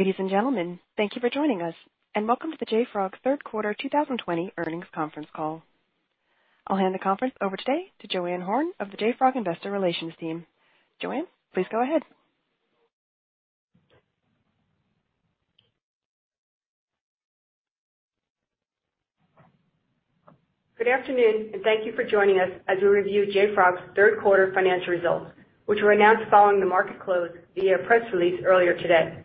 Ladies and gentlemen, thank you for joining us, and welcome to the JFrog third quarter 2020 earnings conference call. I'll hand the conference over today to JoAnn Horne of the JFrog Investor Relations team. JoAnn, please go ahead. Good afternoon, and thank you for joining us as we review JFrog's third quarter financial results, which were announced following the market close via press release earlier today.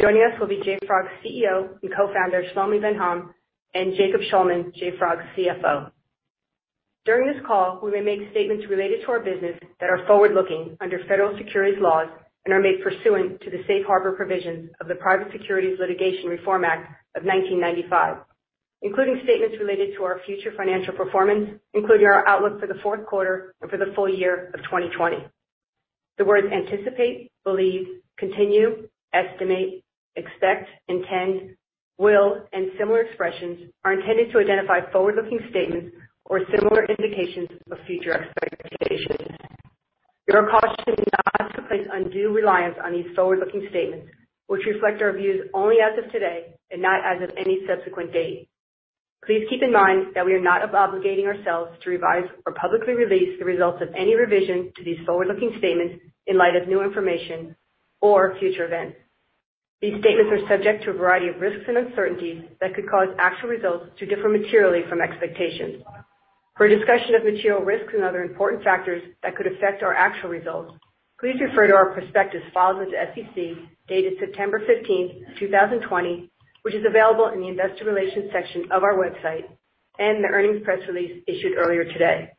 Joining us will be JFrog's CEO and co-founder, Shlomi Ben Haim, and Jacob Shulman, JFrog's CFO. During this call, we may make statements related to our business that are forward-looking under federal securities laws and are made pursuant to the safe harbor provisions of the Private Securities Litigation Reform Act of 1995, including statements related to our future financial performance, including our outlook for the fourth quarter and for the full year of 2020. The words anticipate, believe, continue, estimate, expect, intend, will, and similar expressions are intended to identify forward-looking statements or similar indications of future expectations. You are cautioned not to place undue reliance on these forward-looking statements, which reflect our views only as of today and not as of any subsequent date. Please keep in mind that we are not obligating ourselves to revise or publicly release the results of any revision to these forward-looking statements in light of new information or future events. These statements are subject to a variety of risks and uncertainties that could cause actual results to differ materially from expectations. For a discussion of material risks and other important factors that could affect our actual results, please refer to our prospectus filed with the SEC dated September 15th, 2020, which is available in the investor relations section of our website and the earnings press release issued earlier today.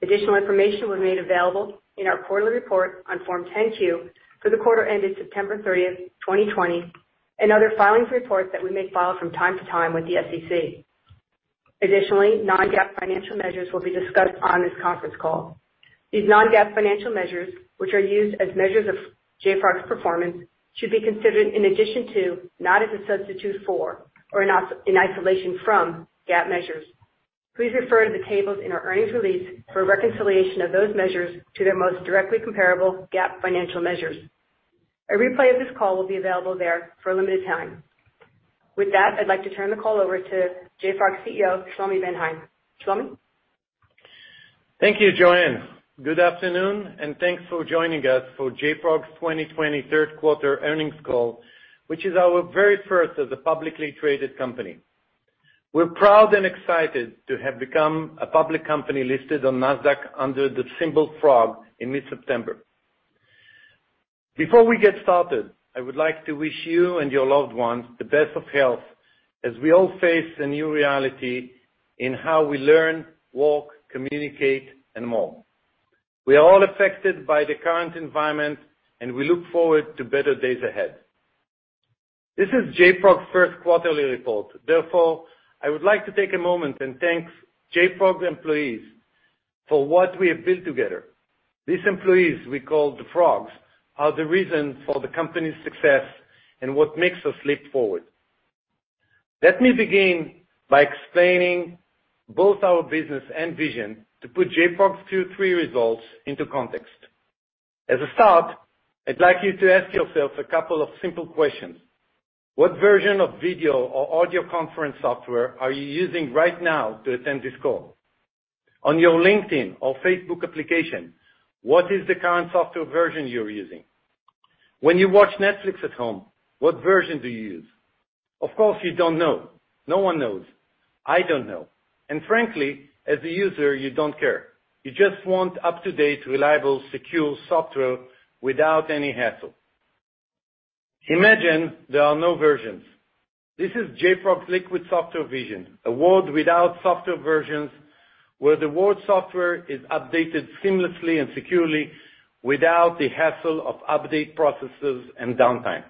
Additional information was made available in our quarterly report on Form 10-Q for the quarter ending September 30th, 2020, and other filings reports that we may file from time to time with the SEC. Additionally, non-GAAP financial measures will be discussed on this conference call. These non-GAAP financial measures, which are used as measures of JFrog's performance, should be considered in addition to, not as a substitute for or in isolation from GAAP measures. Please refer to the tables in our earnings release for a reconciliation of those measures to their most directly comparable GAAP financial measures. A replay of this call will be available there for a limited time. With that, I'd like to turn the call over to JFrog CEO, Shlomi Ben Haim. Shlomi? Thank you, JoAnn. Good afternoon, and thanks for joining us for JFrog's 2020 third quarter earnings call, which is our very first as a publicly traded company. We're proud and excited to have become a public company listed on Nasdaq under the symbol FROG in mid-September. Before we get started, I would like to wish you and your loved ones the best of health as we all face a new reality in how we learn, work, communicate, and more. We are all affected by the current environment. We look forward to better days ahead. This is JFrog's first quarterly report. I would like to take a moment and thank JFrog employees for what we have built together. These employees we call the Frogs, are the reason for the company's success and what makes us leap forward. Let me begin by explaining both our business and vision to put JFrog's Q3 results into context. As a start, I'd like you to ask yourself a couple of simple questions. What version of video or audio conference software are you using right now to attend this call? On your LinkedIn or Facebook application, what is the current software version you're using? When you watch Netflix at home, what version do you use? Of course, you don't know. No one knows. I don't know. Frankly, as a user, you don't care. You just want up-to-date, reliable, secure software without any hassle. Imagine there are no versions. This is JFrog's Liquid Software Vision, a world without software versions, where the world software is updated seamlessly and securely without the hassle of update processes and downtime.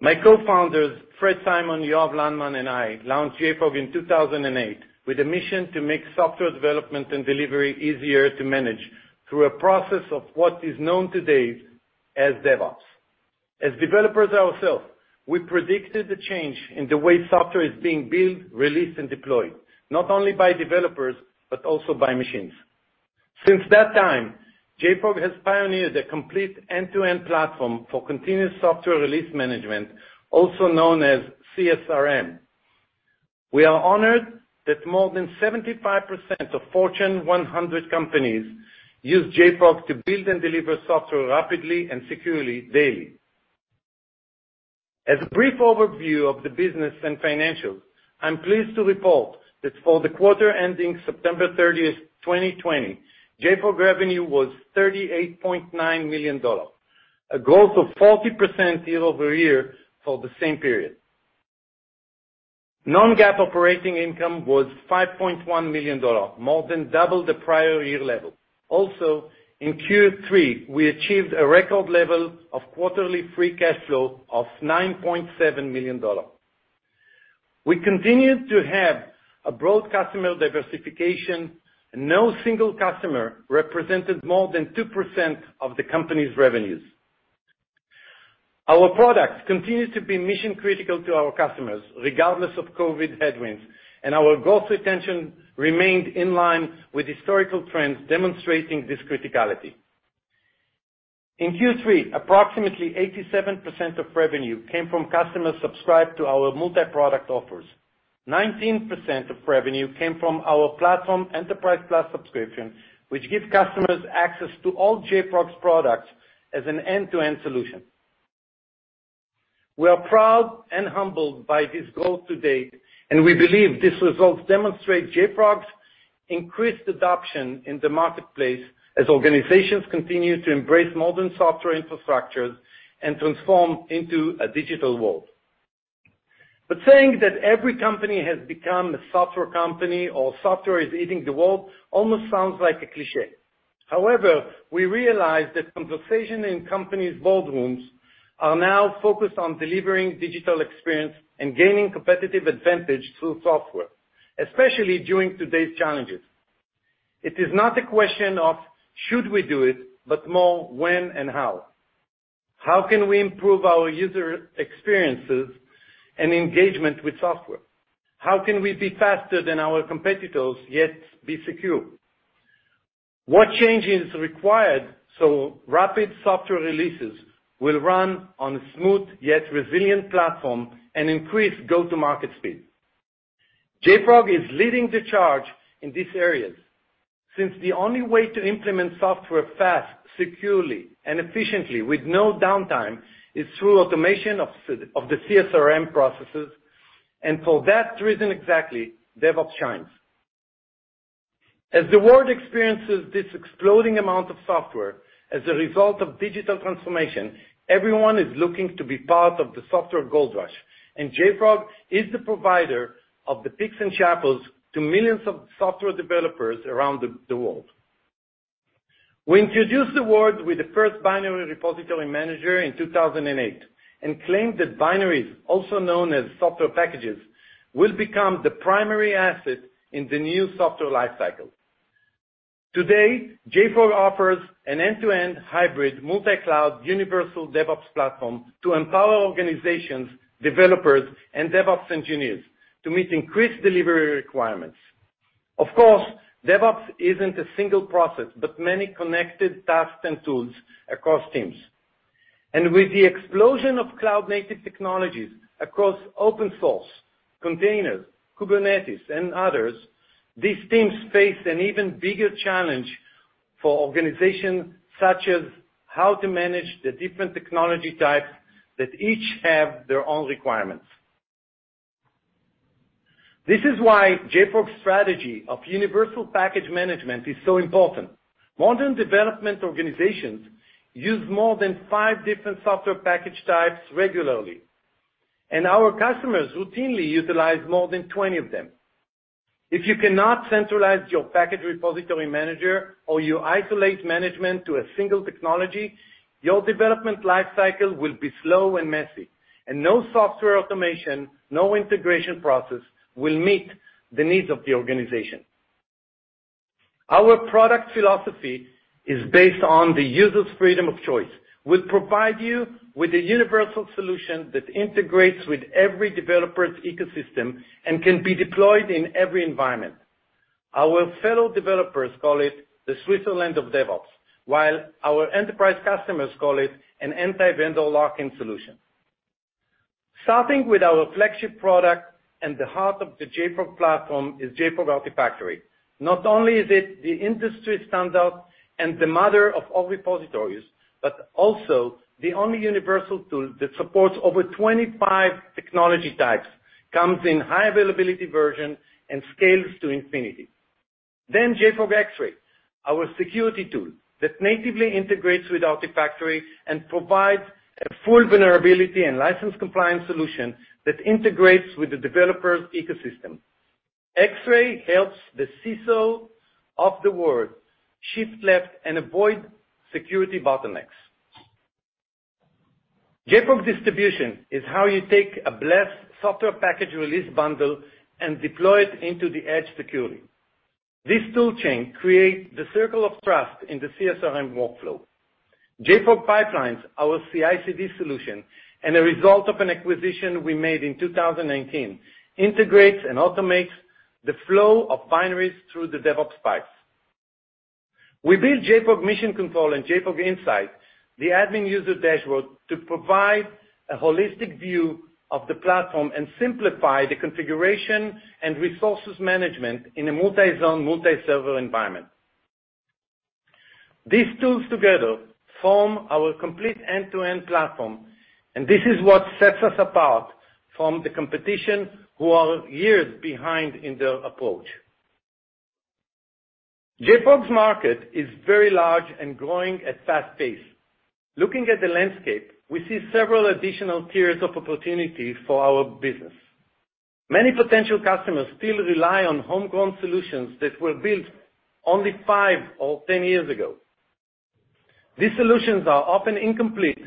My co-founders, Fred Simon, Yoav Landman, and I, launched JFrog in 2008 with a mission to make software development and delivery easier to manage through a process of what is known today as DevOps. As developers ourselves, we predicted the change in the way software is being built, released, and deployed, not only by developers, but also by machines. Since that time, JFrog has pioneered a complete end-to-end platform for continuous software release management, also known as CSRM. We are honored that more than 75% of Fortune 100 companies use JFrog to build and deliver software rapidly and securely daily. As a brief overview of the business and financials, I'm pleased to report that for the quarter ending September 30th, 2020, JFrog revenue was $38.9 million, a growth of 40% year-over-year for the same period. Non-GAAP operating income was $5.1 million, more than double the prior year level. Also, in Q3, we achieved a record level of quarterly free cash flow of $9.7 million. We continued to have a broad customer diversification, and no single customer represented more than 2% of the company's revenues. Our products continue to be mission-critical to our customers, regardless of COVID headwinds, and our growth retention remained in line with historical trends demonstrating this criticality. In Q3, approximately 87% of revenue came from customers subscribed to our multi-product offers. 19% of revenue came from our platform Enterprise+ plan subscription, which give customers access to all JFrog's products as an end-to-end solution. We are proud and humbled by this growth to date, and we believe these results demonstrate JFrog's increased adoption in the marketplace as organizations continue to embrace modern software infrastructures and transform into a digital world. Saying that every company has become a software company or software is eating the world almost sounds like a cliché. However, we realize that conversation in companies' boardrooms are now focused on delivering digital experience and gaining competitive advantage through software, especially during today's challenges. It is not a question of should we do it, but more when and how. How can we improve our user experiences and engagement with software? How can we be faster than our competitors, yet be secure? What change is required so rapid software releases will run on a smooth, yet resilient platform and increase go-to-market speed? JFrog is leading the charge in these areas. Since the only way to implement software fast, securely, and efficiently with no downtime is through automation of the CSRM processes, and for that reason exactly, DevOps shines. As the world experiences this exploding amount of software, as a result of digital transformation, everyone is looking to be part of the software gold rush, and JFrog is the provider of the picks and shovels to millions of software developers around the world. We introduced the world with the first binary repository manager in 2008 and claimed that binaries, also known as software packages, will become the primary asset in the new software life cycle. Today, JFrog offers an end-to-end hybrid multi-cloud universal DevOps platform to empower organizations, developers, and DevOps engineers to meet increased delivery requirements. Of course, DevOps isn't a single process, but many connected tasks and tools across teams. With the explosion of cloud-native technologies across open source, containers, Kubernetes, and others, these teams face an even bigger challenge for organizations, such as how to manage the different technology types that each have their own requirements. This is why JFrog's strategy of universal package management is so important. Modern development organizations use more than five different software package types regularly, and our customers routinely utilize more than 20 of them. If you cannot centralize your package repository manager or you isolate management to a single technology, your development life cycle will be slow and messy, and no software automation, no integration process will meet the needs of the organization. Our product philosophy is based on the user's freedom of choice. We'll provide you with a universal solution that integrates with every developer's ecosystem and can be deployed in every environment. Our fellow developers call it the Switzerland of DevOps, while our enterprise customers call it an anti-vendor lock-in solution. Starting with our flagship product and the heart of the JFrog Platform is JFrog Artifactory. Not only is it the industry standout and the mother of all repositories, but also the only universal tool that supports over 25 technology types, comes in high availability version, and scales to infinity. JFrog Xray, our security tool that natively integrates with Artifactory and provides a full vulnerability and license compliance solution that integrates with the developer's ecosystem. Xray helps the CISO of the world shift left and avoid security bottlenecks. JFrog Distribution is how you take a blessed software package release bundle and deploy it into the edge securely. This tool chain creates the circle of trust in the CSRM workflow. JFrog Pipelines, our CI/CD solution, and a result of an acquisition we made in 2019, integrates and automates the flow of binaries through the DevOps pipes. We build JFrog Mission Control and JFrog Insight, the admin user dashboard, to provide a holistic view of the platform and simplify the configuration and resources management in a multi-zone, multi-server environment. This tool together form our complete end-to-end platform. This is what sets us apart from the competition, who are years behind in their approach. JFrog's market is very large and growing at fast pace. Looking at the landscape, we see several additional tiers of opportunity for our business. Many potential customers still rely on homegrown solutions that were built only five or 10 years ago. These solutions are often incomplete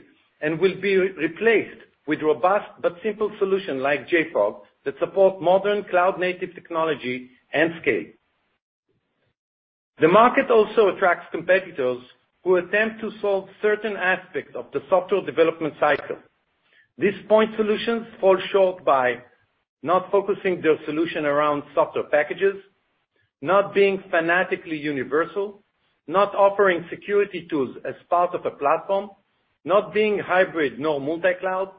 and will be replaced with robust but simple solution like JFrog that support modern cloud-native technology and scale. The market also attracts competitors who attempt to solve certain aspects of the software development cycle. These point solutions fall short by not focusing their solution around software packages. Not being fanatically universal, not offering security tools as part of a platform, not being hybrid, nor multi-cloud,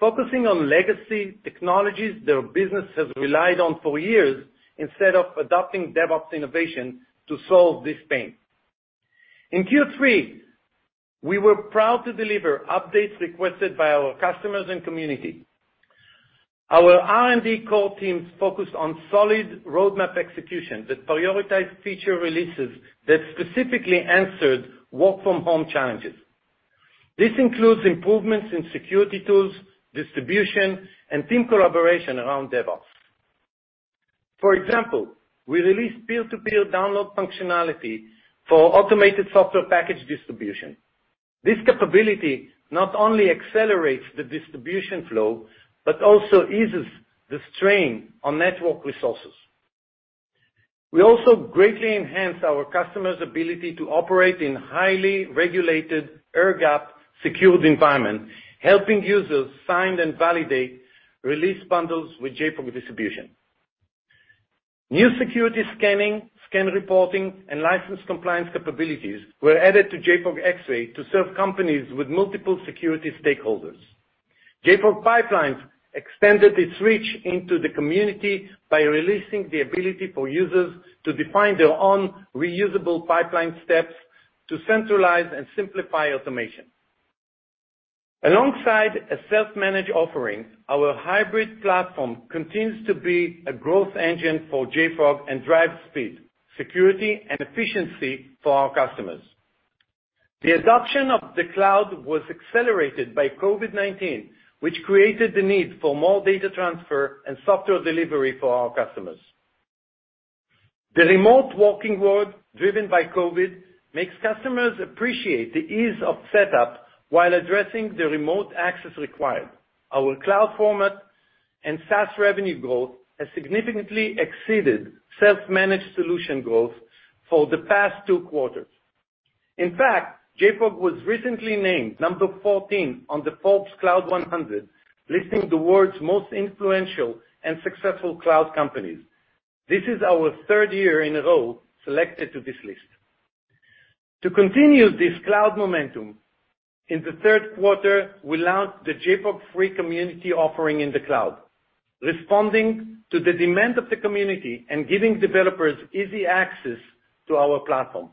focusing on legacy technologies their business has relied on for years instead of adopting DevOps innovation to solve this pain. In Q3, we were proud to deliver updates requested by our customers and community. Our R&D core teams focused on solid roadmap execution that prioritized feature releases that specifically answered work from home challenges. This includes improvements in security tools, distribution, and team collaboration around DevOps. For example, we released peer-to-peer download functionality for automated software package distribution. This capability not only accelerates the distribution flow, but also eases the strain on network resources. We also greatly enhance our customers' ability to operate in highly regulated air-gap secured environment, helping users sign and validate release bundles with JFrog Distribution. New security scanning, scan reporting, and license compliance capabilities were added to JFrog Xray to serve companies with multiple security stakeholders. JFrog Pipelines extended its reach into the community by releasing the ability for users to define their own reusable pipeline steps to centralize and simplify automation. Alongside a self-managed offering, our hybrid platform continues to be a growth engine for JFrog and drives speed, security, and efficiency for our customers. The adoption of the cloud was accelerated by COVID-19, which created the need for more data transfer and software delivery for our customers. The remote working world driven by COVID makes customers appreciate the ease of setup while addressing the remote access required. Our cloud format and SaaS revenue growth has significantly exceeded self-managed solution growth for the past two quarters. In fact, JFrog was recently named number 14 on the Forbes Cloud 100, listing the world's most influential and successful cloud companies. This is our third year in a row selected to this list. To continue this cloud momentum, in the third quarter, we launched the JFrog free community offering in the cloud, responding to the demand of the community and giving developers easy access to our platform.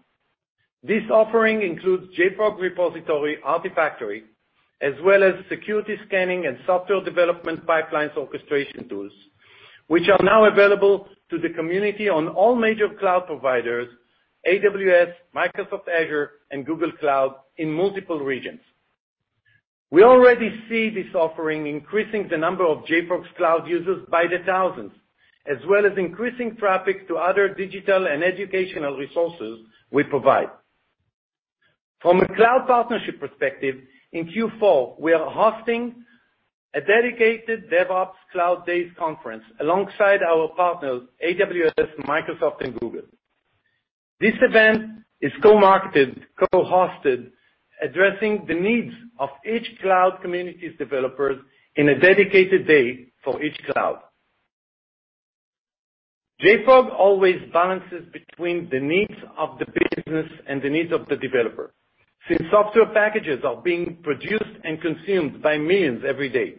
This offering includes JFrog repository Artifactory, as well as security scanning and software development pipelines orchestration tools, which are now available to the community on all major cloud providers, AWS, Microsoft Azure, and Google Cloud in multiple regions. We already see this offering increasing the number of JFrog's cloud users by the thousands, as well as increasing traffic to other digital and educational resources we provide. From a cloud partnership perspective, in Q4, we are hosting a dedicated DevOps Cloud Days conference alongside our partners, AWS, Microsoft, and Google. This event is co-marketed, co-hosted, addressing the needs of each cloud community's developers in a dedicated day for each cloud. JFrog always balances between the needs of the business and the needs of the developer, since software packages are being produced and consumed by millions every day.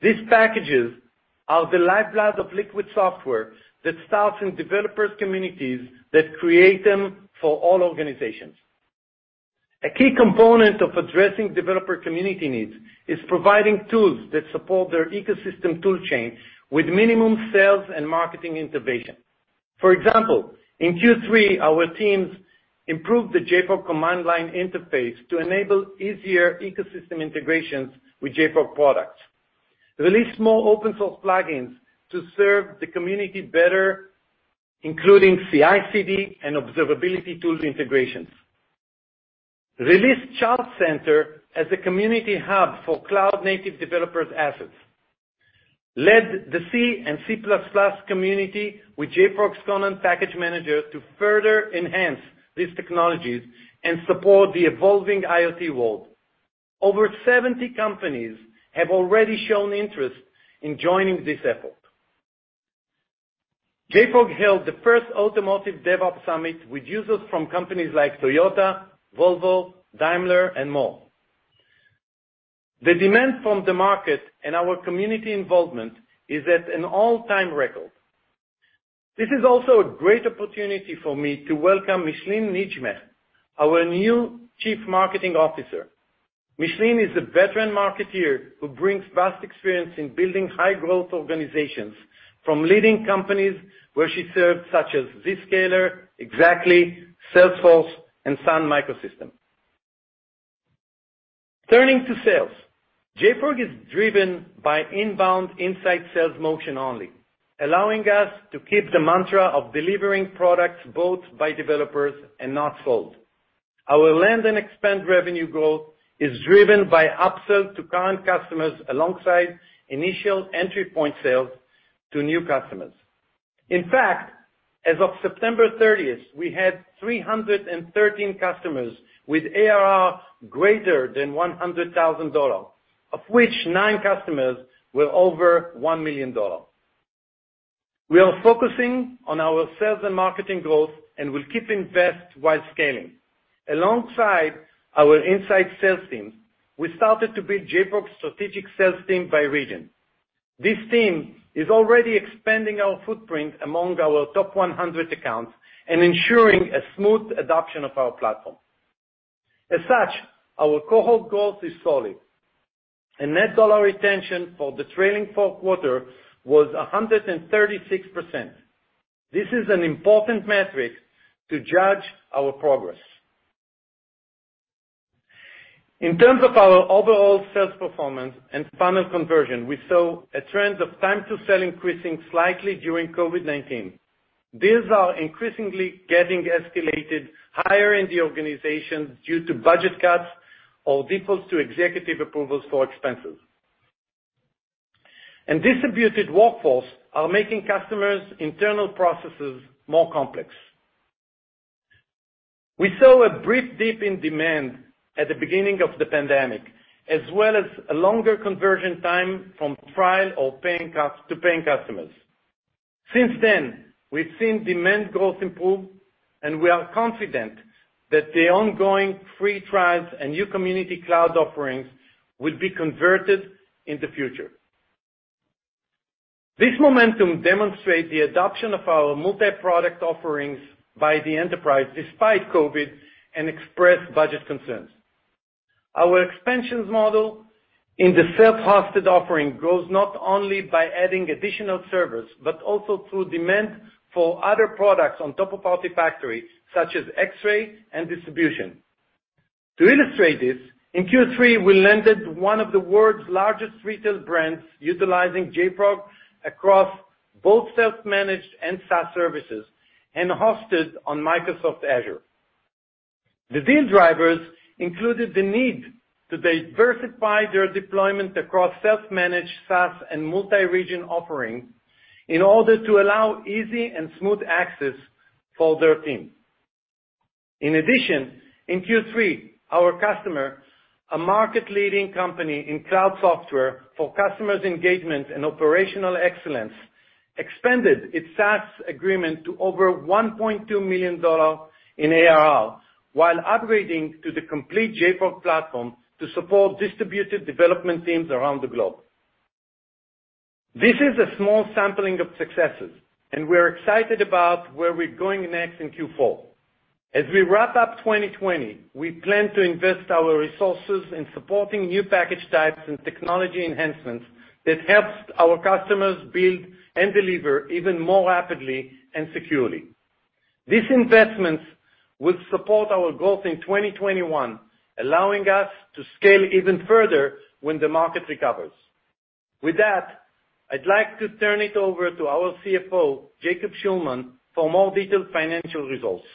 These packages are the lifeblood of Liquid Software that starts in developers' communities that create them for all organizations. A key component of addressing developer community needs is providing tools that support their ecosystem tool chain with minimum sales and marketing innovation. For example, in Q3, our teams improved the JFrog command line interface to enable easier ecosystem integrations with JFrog products. Released more open source plugins to serve the community better, including CI/CD and observability tools integrations. Released ChartCenter as a community hub for cloud-native developers' assets. Led the C and C++ community with JFrog's Conan package manager to further enhance these technologies and support the evolving IoT world. Over 70 companies have already shown interest in joining this effort. JFrog held the first Automotive DevOps Summit with users from companies like Toyota, Volvo, Daimler, and more. The demand from the market and our community involvement is at an all-time record. This is also a great opportunity for me to welcome Micheline Nijmeh, our new Chief Marketing Officer. Micheline is a veteran marketeer who brings vast experience in building high-growth organizations from leading companies where she served, such as Zscaler, Exabeam, Salesforce, and Sun Microsystems. Turning to sales. JFrog is driven by inbound inside sales motion only, allowing us to keep the mantra of delivering products bought by developers and not sold. Our land and expand revenue growth is driven by upsell to current customers alongside initial entry point sales to new customers. In fact, as of September 30th, we had 313 customers with ARR greater than $100,000. Of which nine customers were over $1 million. We are focusing on our sales and marketing growth and will keep invest while scaling. Alongside our inside sales team, we started to build JFrog's strategic sales team by region. This team is already expanding our footprint among our top 100 accounts and ensuring a smooth adoption of our platform. As such, our cohort growth is solid. Net dollar retention for the trailing four quarters was 136%. This is an important metric to judge our progress. In terms of our overall sales performance and funnel conversion, we saw a trend of time to sell increasing slightly during COVID-19. Deals are increasingly getting escalated higher in the organization due to budget cuts or defaults to executive approvals for expenses. Distributed workforce are making customers' internal processes more complex. We saw a brief dip in demand at the beginning of the pandemic, as well as a longer conversion time from trial to paying customers. Since then, we've seen demand growth improve, and we are confident that the ongoing free trials and new community cloud offerings will be converted in the future. This momentum demonstrate the adoption of our multi-product offerings by the enterprise despite COVID and expressed budget concerns. Our expansions model in the self-hosted offering grows not only by adding additional servers, but also through demand for other products on top of Artifactory, such as Xray and Distribution. To illustrate this, in Q3, we landed one of the world's largest retail brands utilizing JFrog across both self-managed and SaaS services and hosted on Microsoft Azure. The deal drivers included the need to diversify their deployment across self-managed, SaaS, and multi-region offering in order to allow easy and smooth access for their team. In Q3, our customer, a market leading company in cloud software for customers engagement and operational excellence, expanded its SaaS agreement to over $1.2 million in ARR while upgrading to the complete JFrog Platform to support distributed development teams around the globe. This is a small sampling of successes, we're excited about where we're going next in Q4. As we wrap up 2020, we plan to invest our resources in supporting new package types and technology enhancements that helps our customers build and deliver even more rapidly and securely. These investments will support our growth in 2021, allowing us to scale even further when the market recovers. With that, I'd like to turn it over to our CFO, Jacob Shulman, for more detailed financial results.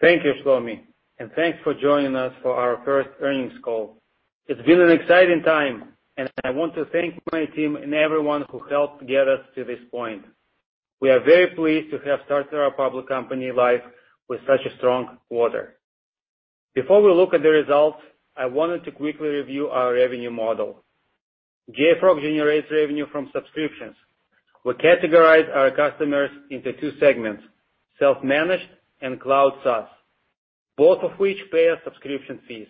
Thank you, Shlomi, and thanks for joining us for our first earnings call. It's been an exciting time, and I want to thank my team and everyone who helped get us to this point. We are very pleased to have started our public company life with such a strong quarter. Before we look at the results, I wanted to quickly review our revenue model. JFrog generates revenue from subscriptions. We categorize our customers into two segments, self-managed and cloud SaaS. Both of which pay a subscription fees.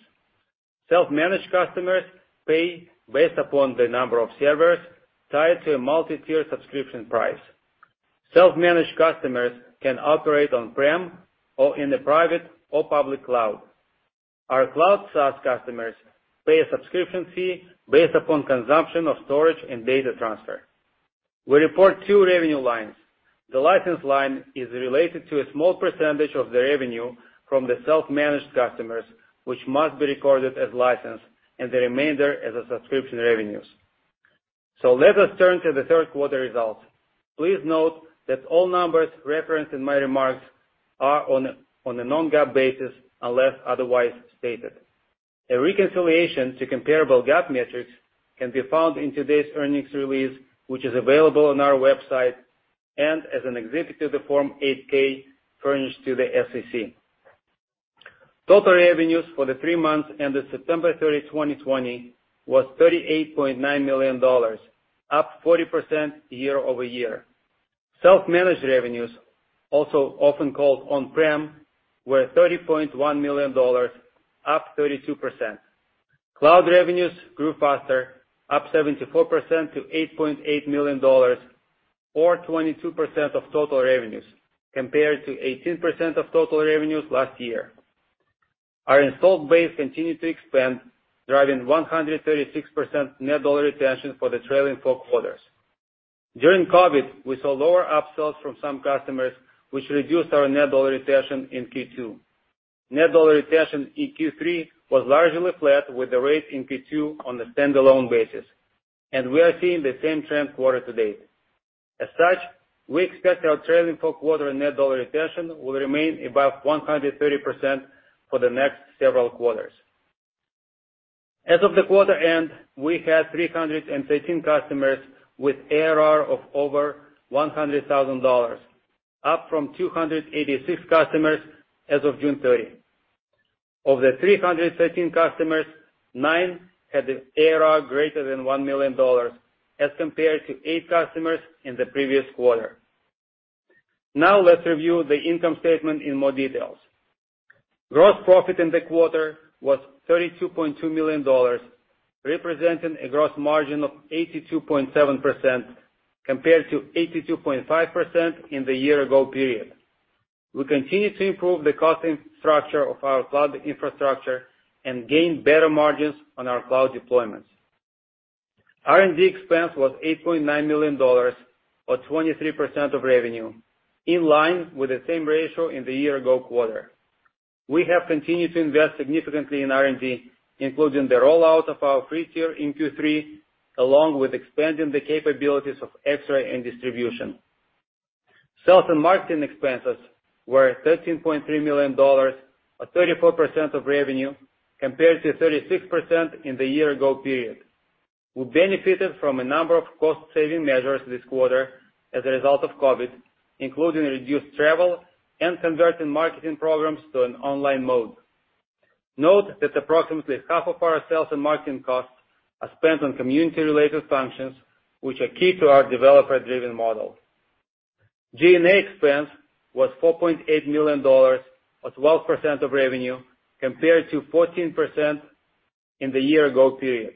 Self-managed customers pay based upon the number of servers tied to a multi-tier subscription price. Self-managed customers can operate on-prem or in the private or public cloud. Our cloud SaaS customers pay a subscription fee based upon consumption of storage and data transfer. We report two revenue lines. The license line is related to a small percentage of the revenue from the self-managed customers, which must be recorded as license and the remainder as a subscription revenues. Let us turn to the third quarter results. Please note that all numbers referenced in my remarks are on a non-GAAP basis, unless otherwise stated. A reconciliation to comparable GAAP metrics can be found in today's earnings release, which is available on our website and as an exhibit to the Form 8-K furnished to the SEC. Total revenues for the three months ended September 30, 2020, was $38.9 million, up 40% year-over-year. Self-managed revenues, also often called on-prem, were $30.1 million, up 32%. Cloud revenues grew faster, up 74% to $8.8 million, or 22% of total revenues, compared to 18% of total revenues last year. Our installed base continued to expand, driving 136% net dollar retention for the trailing four quarters. During COVID, we saw lower upsells from some customers, which reduced our net dollar retention in Q2. Net dollar retention in Q3 was largely flat with the rate in Q2 on a standalone basis, and we are seeing the same trend quarter to date. As such, we expect our trailing four quarter net dollar retention will remain above 130% for the next several quarters. As of the quarter end, we had 313 customers with ARR of over $100,000. Up from 286 customers as of June 30. Of the 313 customers, nine had an ARR greater than $1 million, as compared to eight customers in the previous quarter. Now let's review the income statement in more details. Gross profit in the quarter was $32.2 million, representing a gross margin of 82.7%, compared to 82.5% in the year ago period. We continue to improve the costing structure of our cloud infrastructure and gain better margins on our cloud deployments. R&D expense was $8.9 million, or 23% of revenue, in line with the same ratio in the year ago quarter. We have continued to invest significantly in R&D, including the rollout of our free tier in Q3, along with expanding the capabilities of JFrog Xray and JFrog Distribution. Sales and marketing expenses were $13.3 million, or 34% of revenue, compared to 36% in the year ago period. We benefited from a number of cost-saving measures this quarter as a result of COVID, including reduced travel and converting marketing programs to an online mode. Note that approximately half of our sales and marketing costs are spent on community-related functions, which are key to our developer-driven model. G&A expense was $4.8 million, or 12% of revenue, compared to 14% in the year-ago period.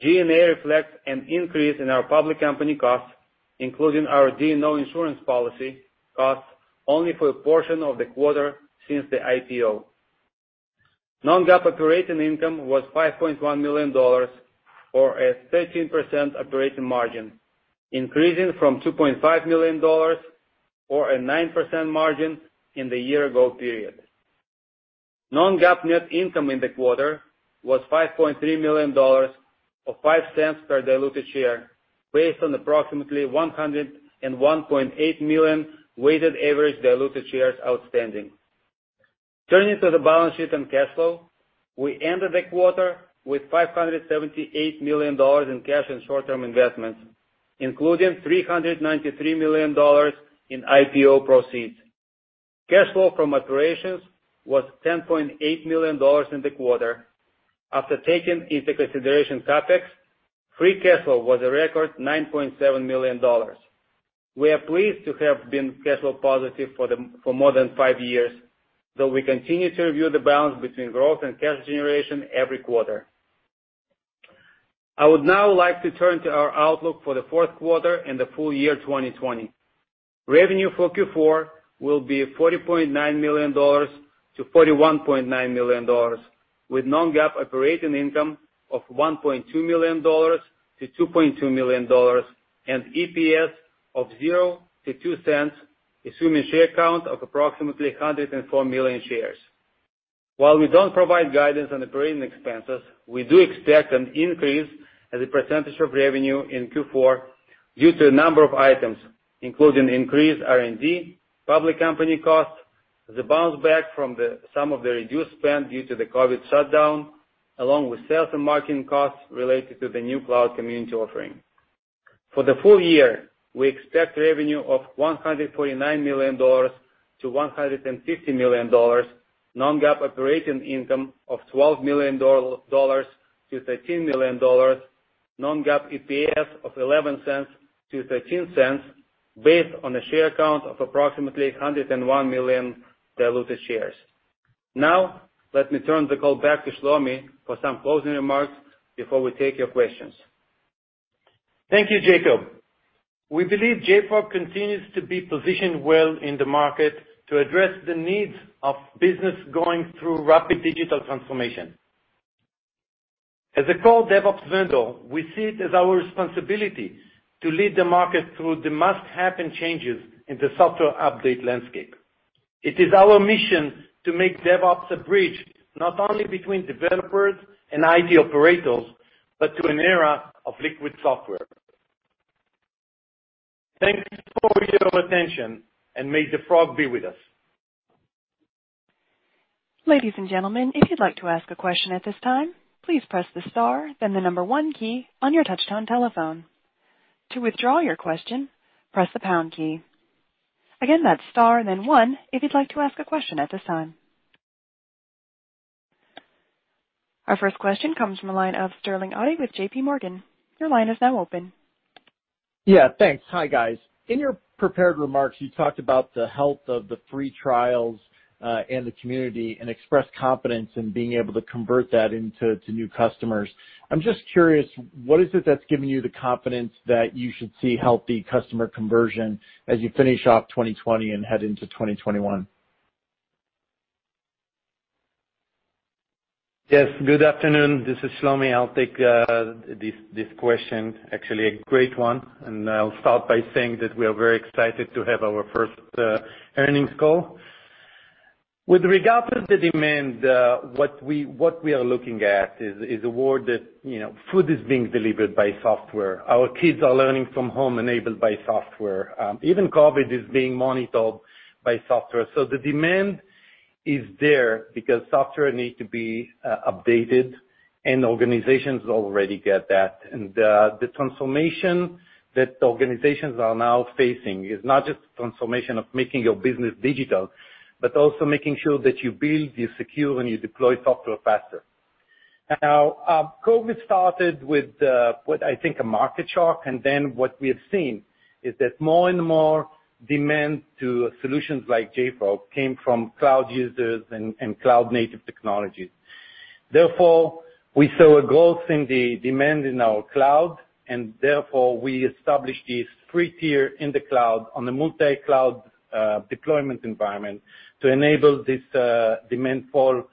G&A reflects an increase in our public company costs, including our D&O insurance policy costs only for a portion of the quarter since the IPO. Non-GAAP operating income was $5.1 million, or a 13% operating margin, increasing from $2.5 million or a 9% margin in the year-ago period. Non-GAAP net income in the quarter was $5.3 million, or $0.05 per diluted share, based on approximately 101.8 million weighted average diluted shares outstanding. Turning to the balance sheet and cash flow, we ended the quarter with $578 million in cash and short-term investments, including $393 million in IPO proceeds. Cash flow from operations was $10.8 million in the quarter. After taking into consideration CapEx, free cash flow was a record $9.7 million. We are pleased to have been cash flow positive for more than five years, though we continue to review the balance between growth and cash generation every quarter. I would now like to turn to our outlook for the fourth quarter and the full year 2020. Revenue for Q4 will be $40.9 million-$41.9 million, with non-GAAP operating income of $1.2 million-$2.2 million and EPS of $0.00-$0.02, assuming share count of approximately 104 million shares. While we don't provide guidance on operating expenses, we do expect an increase as a percentage of revenue in Q4 due to a number of items, including increased R&D, public company costs, the bounce back from some of the reduced spend due to the COVID-19 shutdown, along with sales and marketing costs related to the new cloud community offering. For the full year, we expect revenue of $149 million-$150 million, non-GAAP operating income of $12 million-$13 million, non-GAAP EPS of $0.11-$0.13 based on a share count of approximately 101 million diluted shares. Let me turn the call back to Shlomi for some closing remarks before we take your questions. Thank you, Jacob. We believe JFrog continues to be positioned well in the market to address the needs of business going through rapid digital transformation. As a core DevOps vendor, we see it as our responsibility to lead the market through the must-happen changes in the software update landscape. It is our mission to make DevOps a bridge, not only between developers and IT operators, but to an era of Liquid Software. Thank you for your attention, and may the Frog be with us. Ladies and gentlemen, if you would like to ask a question at this time, please press the star and then number one key on your touchtone telephone. To withdraw your question, press the pound key. Again star then one, if you would like to ask a question at this time. Our first question comes from the line of Sterling Auty with JPMorgan. Your line is now open. Yeah, thanks. Hi, guys. In your prepared remarks, you talked about the health of the free trials and the community, and expressed confidence in being able to convert that into new customers. I'm just curious, what is it that's giving you the confidence that you should see healthy customer conversion as you finish off 2020 and head into 2021? Yes. Good afternoon. This is Shlomi. I'll take this question. Actually, a great one. I'll start by saying that we are very excited to have our first earnings call. With regard to the demand, what we are looking at is a world that food is being delivered by software. Our kids are learning from home enabled by software. Even COVID is being monitored by software. The demand is there because software needs to be updated, and organizations already get that. The transformation that organizations are now facing is not just the transformation of making your business digital, but also making sure that you build, you secure, and you deploy software faster. Now, COVID started with what I think a market shock, and then what we have seen is that more and more demand to solutions like JFrog came from cloud users and cloud native technologies. Therefore, we saw a growth in the demand in our cloud, and therefore we established this free tier in the cloud on a multi-cloud deployment environment to enable this demand fall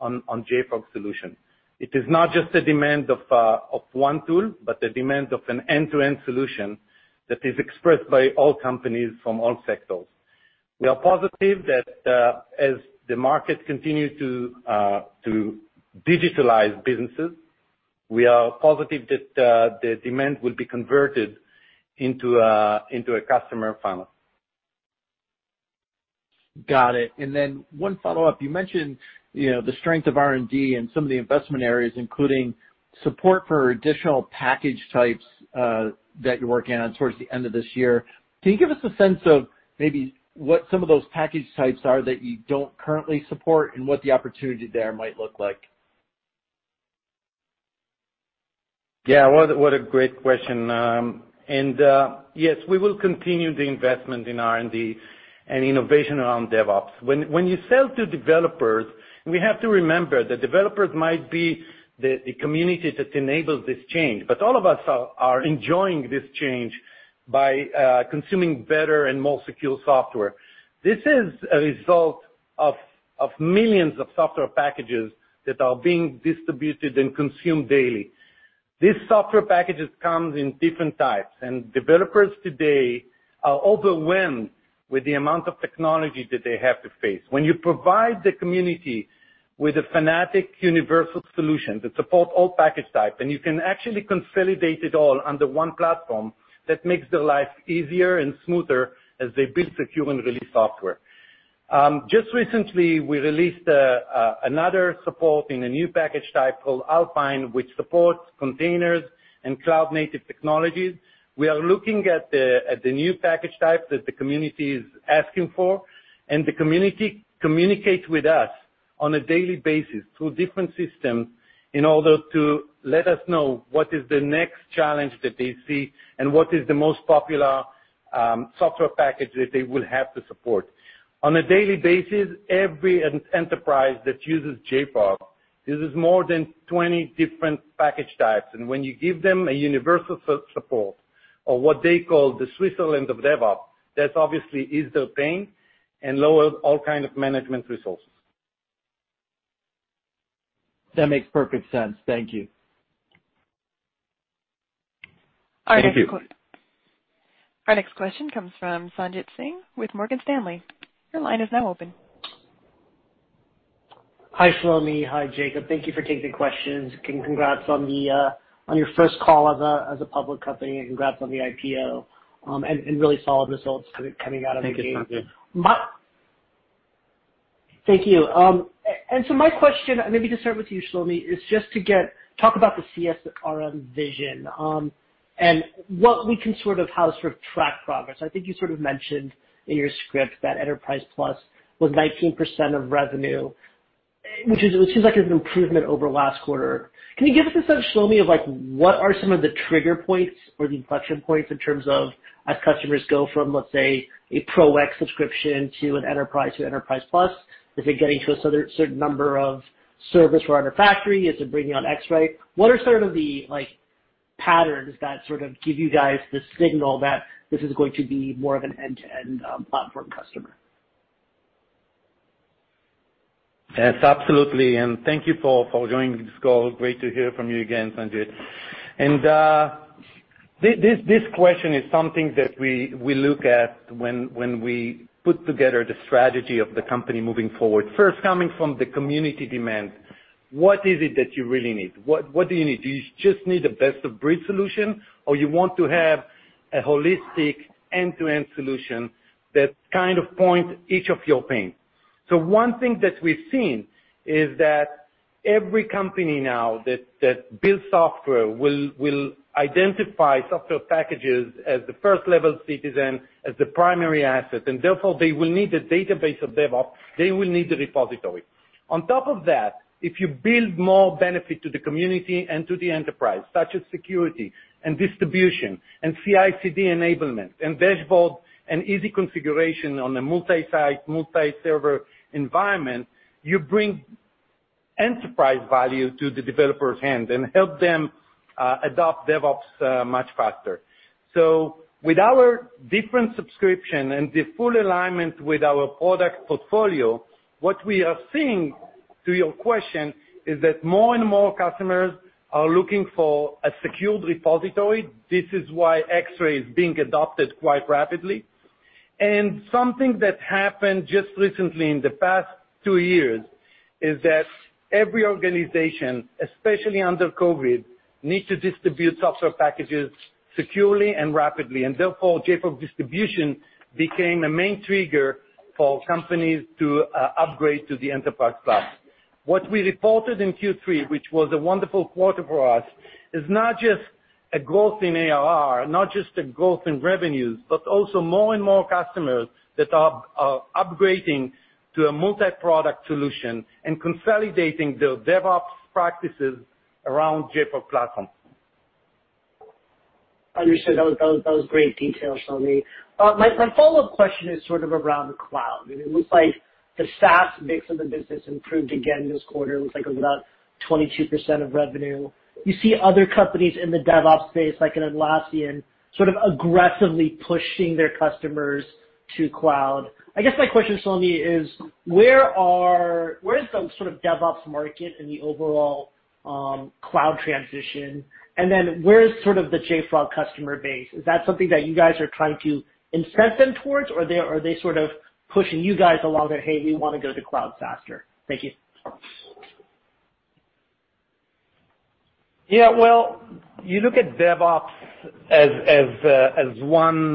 on JFrog solution. It is not just a demand of one tool, but a demand of an end-to-end solution that is expressed by all companies from all sectors. We are positive that, as the market continues to digitalize businesses, we are positive that the demand will be converted into a customer funnel. Got it. One follow-up, you mentioned the strength of R&D and some of the investment areas, including support for additional package types that you're working on towards the end of this year. Can you give us a sense of maybe what some of those package types are that you don't currently support and what the opportunity there might look like? Yeah, what a great question. Yes, we will continue the investment in R&D and innovation around DevOps. When you sell to developers, we have to remember that developers might be the community that enables this change, but all of us are enjoying this change by consuming better and more secure software. This is a result of millions of software packages that are being distributed and consumed daily. These software packages comes in different types, and developers today are overwhelmed with the amount of technology that they have to face. When you provide the community with a fanatic universal solution that supports all package type, and you can actually consolidate it all under one platform, that makes their life easier and smoother as they build, secure, and release software. Just recently, we released another support in a new package type called Alpine, which supports containers and cloud native technologies. We are looking at the new package type that the community is asking for, and the community communicates with us on a daily basis through different systems in order to let us know what is the next challenge that they see and what is the most popular software package that they will have to support. On a daily basis, every enterprise that uses JFrog uses more than 20 different package types, and when you give them a universal support or what they call the Switzerland of DevOps, that obviously eases their pain and lower all kind of management resources. That makes perfect sense. Thank you. Thank you. Our next question comes from Sanjit Singh with Morgan Stanley. Your line is now open. Hi, Shlomi. Hi, Jacob. Thank you for taking questions, and congrats on your first call as a public company, and congrats on the IPO, and really solid results coming out of the gate. Thank you, Sanjit. Thank you. My question, maybe to start with you, Shlomi, is just to talk about the CSRM vision, and what we can sort of, how to sort of track progress. I think you sort of mentioned in your script that Enterprise+ was 19% of revenue, which seems like an improvement over last quarter. Can you give us a sense, Shlomi, of what are some of the trigger points or the inflection points in terms of as customers go from, let's say, a Pro X subscription to an Enterprise to Enterprise+? Is it getting to a certain number of servers for Artifactory? Is it bringing on Xray? What are sort of the patterns that sort of give you guys the signal that this is going to be more of an end-to-end platform customer? Yes, absolutely, and thank you for joining this call. Great to hear from you again, Sanjit. This question is something that we look at when we put together the strategy of the company moving forward. First, coming from the community demand, what is it that you really need? What do you need? Do you just need a best-of-breed solution, or you want to have a holistic end-to-end solution that kind of point each of your pain? One thing that we've seen is that every company now that builds software will identify software packages as the first-level citizen, as the primary asset, and therefore, they will need a database of DevOps. They will need a repository. Top of that, if you build more benefit to the community and to the enterprise, such as security and distribution and CI/CD enablement and dashboard and easy configuration on a multi-site, multi-server environment, you bring enterprise value to the developer's hand and help them adopt DevOps much faster. With our different subscription and the full alignment with our product portfolio, what we are seeing, to your question, is that more and more customers are looking for a secured repository. This is why Xray is being adopted quite rapidly. Something that happened just recently in the past two years is that every organization, especially under COVID, needs to distribute software packages securely and rapidly, and therefore JFrog Distribution became a main trigger for companies to upgrade to the enterprise cloud. What we reported in Q3, which was a wonderful quarter for us, is not just a growth in ARR, not just a growth in revenues, but also more and more customers that are upgrading to a multi-product solution and consolidating their DevOps practices around JFrog Platform. Understood. That was great details, Shlomi. My follow-up question is sort of around the cloud. It looks like the SaaS mix of the business improved again this quarter. It looks like it was about 22% of revenue. You see other companies in the DevOps space, like an Atlassian, sort of aggressively pushing their customers to cloud. I guess my question, Shlomi, is, where is the sort of DevOps market in the overall cloud transition? Where is sort of the JFrog customer base? Is that something that you guys are trying to incent them towards, or are they sort of pushing you guys along that, "Hey, we want to go to the cloud faster." Thank you. Yeah. Well, you look at DevOps as one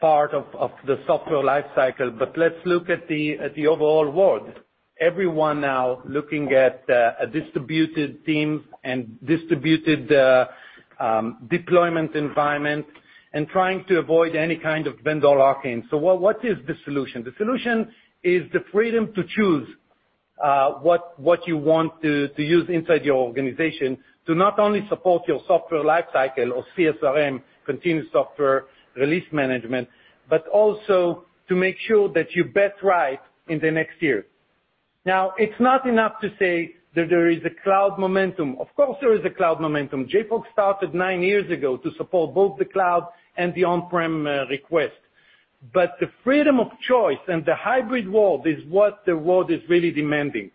part of the software life cycle, but let's look at the overall world. Everyone is now looking at a distributed team and distributed deployment environment and trying to avoid any kind of vendor lock-in. What is the solution? The solution is the freedom to choose what you want to use inside your organization to not only support your software life cycle or CSRM, Continuous Software Release Management, but also to make sure that you bet right in the next year. Now, it's not enough to say that there is a cloud momentum. Of course, there is a cloud momentum. JFrog started nine years ago to support both the cloud and the on-prem request. The freedom of choice and the hybrid world is what the world is really demanding.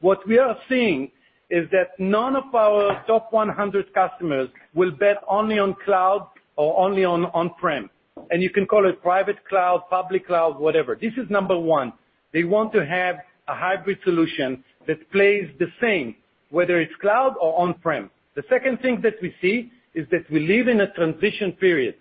What we are seeing is that none of our top 100 customers will bet only on cloud or only on on-prem. You can call it private cloud, public cloud, whatever. This is number one. They want to have a hybrid solution that plays the same, whether it's cloud or on-prem. The second thing that we see is that we live in a transition period.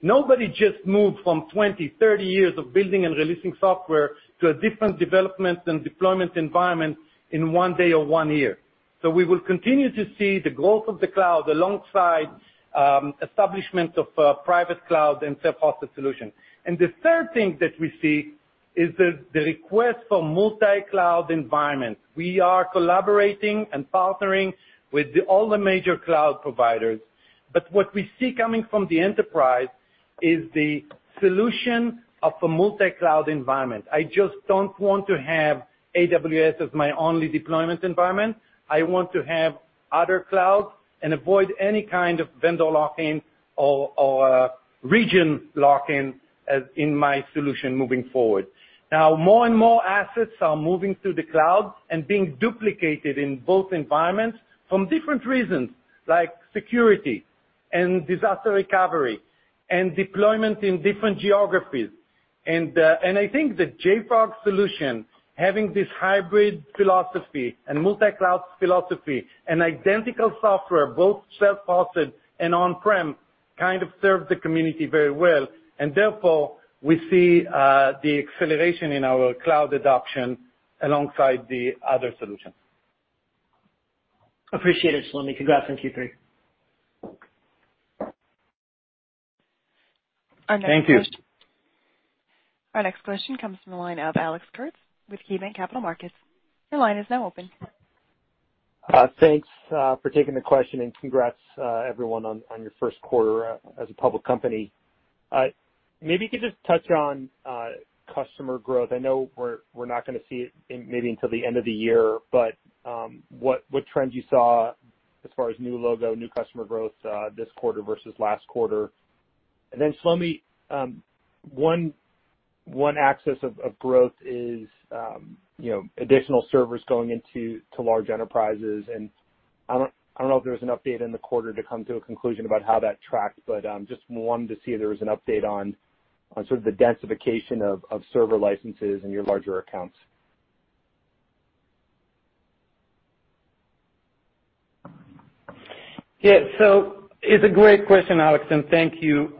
Nobody just moved from 20, 30 years of building and releasing software to a different development and deployment environment in one day or one year. We will continue to see the growth of the cloud alongside establishment of private cloud and self-hosted solution. The third thing that we see is the request for multi-cloud environment. We are collaborating and partnering with all the major cloud providers. What we see coming from the enterprise is the solution of a multi-cloud environment. I just don't want to have AWS as my only deployment environment. I want to have other clouds and avoid any kind of vendor lock-in or region lock-in as in my solution moving forward. Now, more and more assets are moving to the cloud and being duplicated in both environments from different reasons, like security and disaster recovery and deployment in different geographies. I think the JFrog solution, having this hybrid philosophy and multi-cloud philosophy and identical software, both self-hosted and on-prem, kind of serves the community very well, and therefore, we see the acceleration in our cloud adoption alongside the other solutions. Appreciate it, Shlomi. Congrats on Q3. Thank you. Our next question comes from the line of Alex Kurtz with KeyBanc Capital Markets. Your line is now open. Thanks for taking the question and congrats, everyone, on your first quarter as a public company. Maybe you could just touch on customer growth. I know we're not going to see it maybe until the end of the year, but what trends you saw as far as new logo, new customer growth, this quarter versus last quarter. Then Shlomi, one axis of growth is additional servers going into large enterprises. I don't know if there's an update in the quarter to come to a conclusion about how that tracked. Just wanted to see if there was an update on sort of the densification of server licenses in your larger accounts. It's a great question, Alex, and thank you.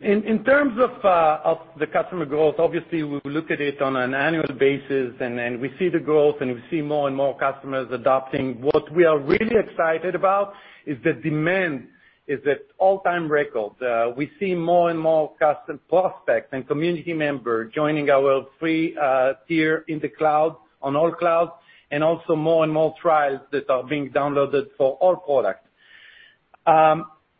In terms of the customer growth, obviously, we look at it on an annual basis, and we see the growth, and we see more and more customers adopting. What we are really excited about is the demand is at all-time record. We see more and more custom prospects and community members joining our free tier in the cloud, on all clouds, and also more and more trials that are being downloaded for all products.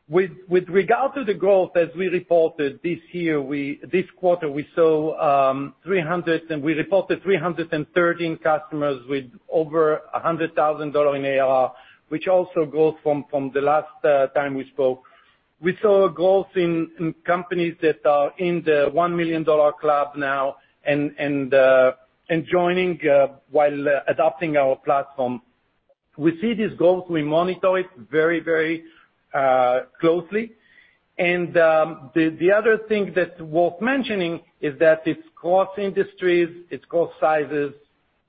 With regard to the growth, as we reported, this quarter, we saw 300, and we reported 313 customers with over $100,000 in ARR, which also growth from the last time we spoke. We saw growth in companies that are in the $1 million club now, and joining while adopting our platform. We see this growth, we monitor it very closely. The other thing that's worth mentioning is that it's cross industries, it's cross sizes,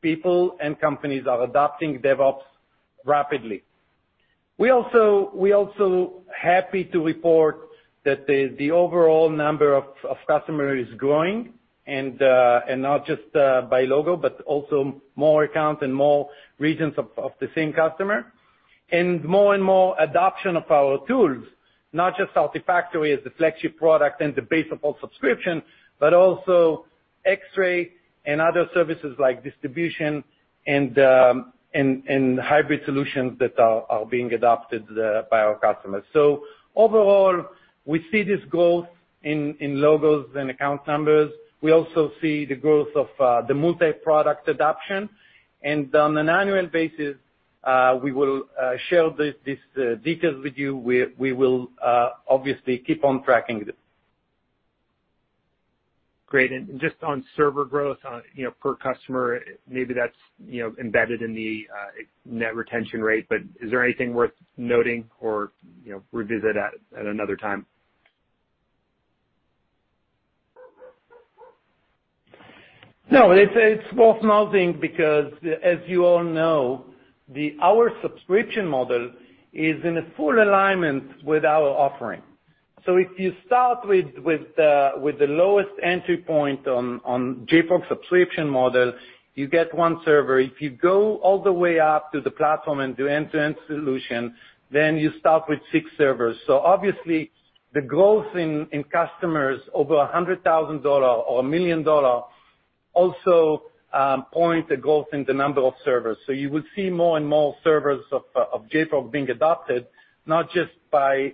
people and companies are adopting DevOps rapidly. We're also happy to report that the overall number of customers is growing, not just by logo, but also more accounts and more regions of the same customer. More and more adoption of our tools, not just Artifactory as the flagship product and the base of all subscription, but also Xray and other services like Distribution and hybrid solutions that are being adopted by our customers. Overall, we see this growth in logos and account numbers. We also see the growth of the multi-product adoption. On an annual basis, we will share these details with you. We will obviously keep on tracking it. Great. Just on server growth per customer, maybe that's embedded in the net retention rate, but is there anything worth noting or revisit at another time? It's worth noting because, as you all know, our subscription model is in full alignment with our offering. If you start with the lowest entry point on JFrog subscription model, you get one server. If you go all the way up to the platform and do end-to-end solution, you start with six servers. Obviously, the growth in customers over $100,000 or $1 million also points the growth in the number of servers. You would see more and more servers of JFrog being adopted, not just by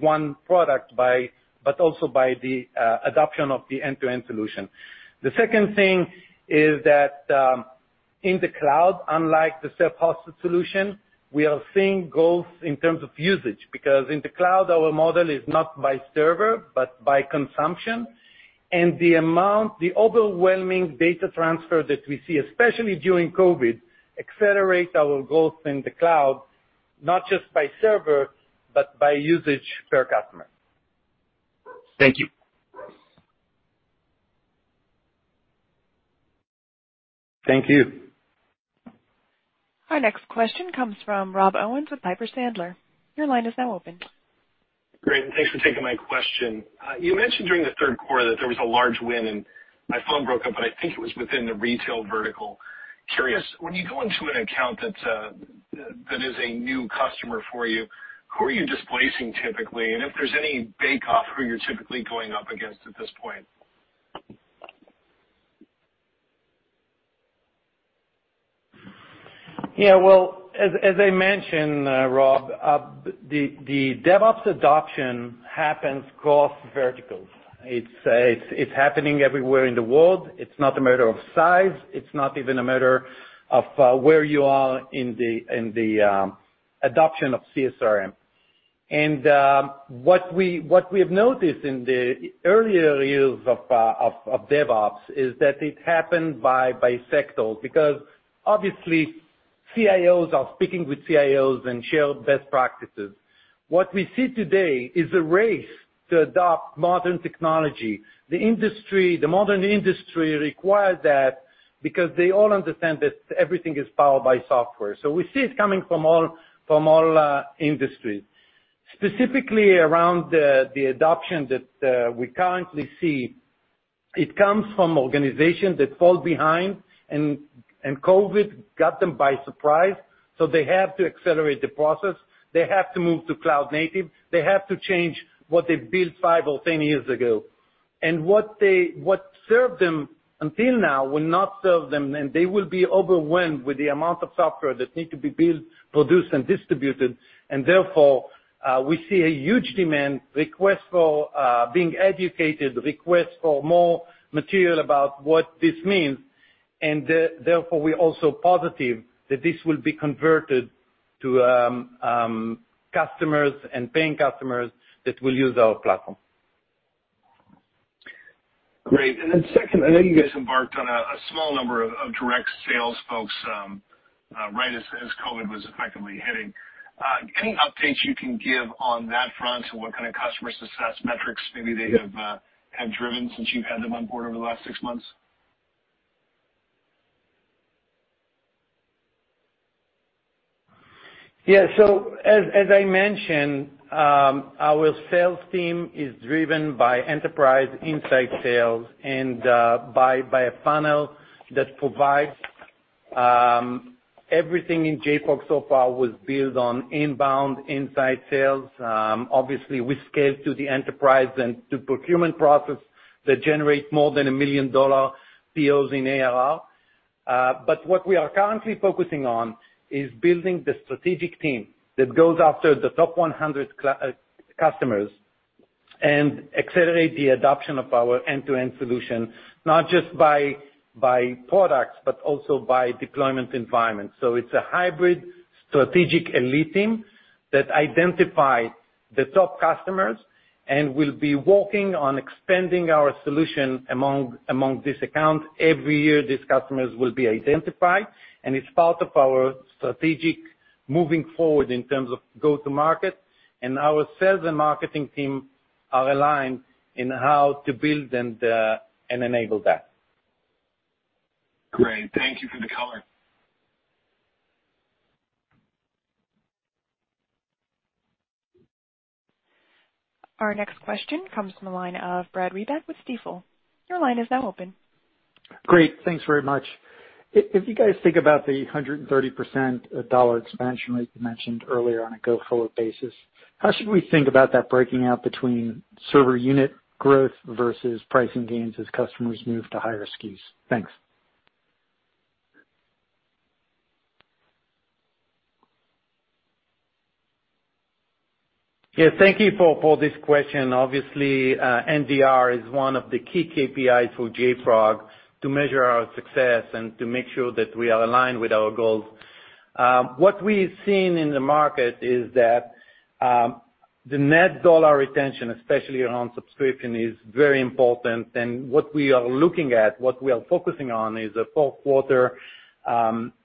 one product, but also by the adoption of the end-to-end solution. The second thing is that in the cloud, unlike the self-hosted solution, we are seeing growth in terms of usage, because in the cloud, our model is not by server, but by consumption. The overwhelming data transfer that we see, especially during COVID, accelerates our growth in the cloud, not just by server, but by usage per customer. Thank you. Thank you. Our next question comes from Rob Owens with Piper Sandler. Your line is now open. Great, thanks for taking my question. You mentioned during the third quarter that there was a large win, and my phone broke up, but I think it was within the retail vertical. Curious, when you go into an account that is a new customer for you, who are you displacing typically? If there's any bake-off, who you're typically going up against at this point? Yeah. Well, as I mentioned, Rob, the DevOps adoption happens across verticals. It's happening everywhere in the world. It's not a matter of size. It's not even a matter of where you are in the adoption of CSRM. What we have noticed in the earlier years of DevOps is that it happened by sectors, because obviously, CIOs are speaking with CIOs and share best practices. What we see today is a race to adopt modern technology. The modern industry requires that because they all understand that everything is powered by software. We see it coming from all industries. Specifically around the adoption that we currently see, it comes from organizations that fall behind, and COVID got them by surprise, so they have to accelerate the process. They have to move to cloud native. They have to change what they built five or 10 years ago. What served them until now will not serve them, and they will be overwhelmed with the amount of software that need to be built, produced, and distributed. Therefore, we see a huge demand, request for being educated, request for more material about what this means. Therefore, we're also positive that this will be converted to customers and paying customers that will use our platform. Great. Second, I know you guys embarked on a small number of direct sales folks right as COVID was effectively hitting. Any updates you can give on that front? What kind of customer success metrics maybe they have driven since you've had them on board over the last six months? As I mentioned, our sales team is driven by enterprise inside sales and by a funnel that provides everything in JFrog so far was built on inbound inside sales. Obviously, we scale to the enterprise and to procurement process that generates more than a million-dollar POs in ARR. What we are currently focusing on is building the strategic team that goes after the top 100 customers and accelerate the adoption of our end-to-end solution, not just by products, but also by deployment environment. It's a hybrid strategic elite team that identifies the top customers, and we'll be working on expanding our solution among these accounts. Every year, these customers will be identified, and it's part of our strategic moving forward in terms of go to market. Our sales and marketing team are aligned in how to build and enable that. Great. Thank you for the color. Our next question comes from the line of Brad Reback with Stifel. Your line is now open. Great. Thanks very much. If you guys think about the 130% dollar expansion rate you mentioned earlier on a go-forward basis, how should we think about that breaking out between server unit growth versus pricing gains as customers move to higher SKUs? Thanks. Yeah, thank you for this question. Obviously, NDR is one of the key KPIs for JFrog to measure our success and to make sure that we are aligned with our goals. What we've seen in the market is that the net dollar retention, especially around subscription, is very important. What we are looking at, what we are focusing on, is a full quarter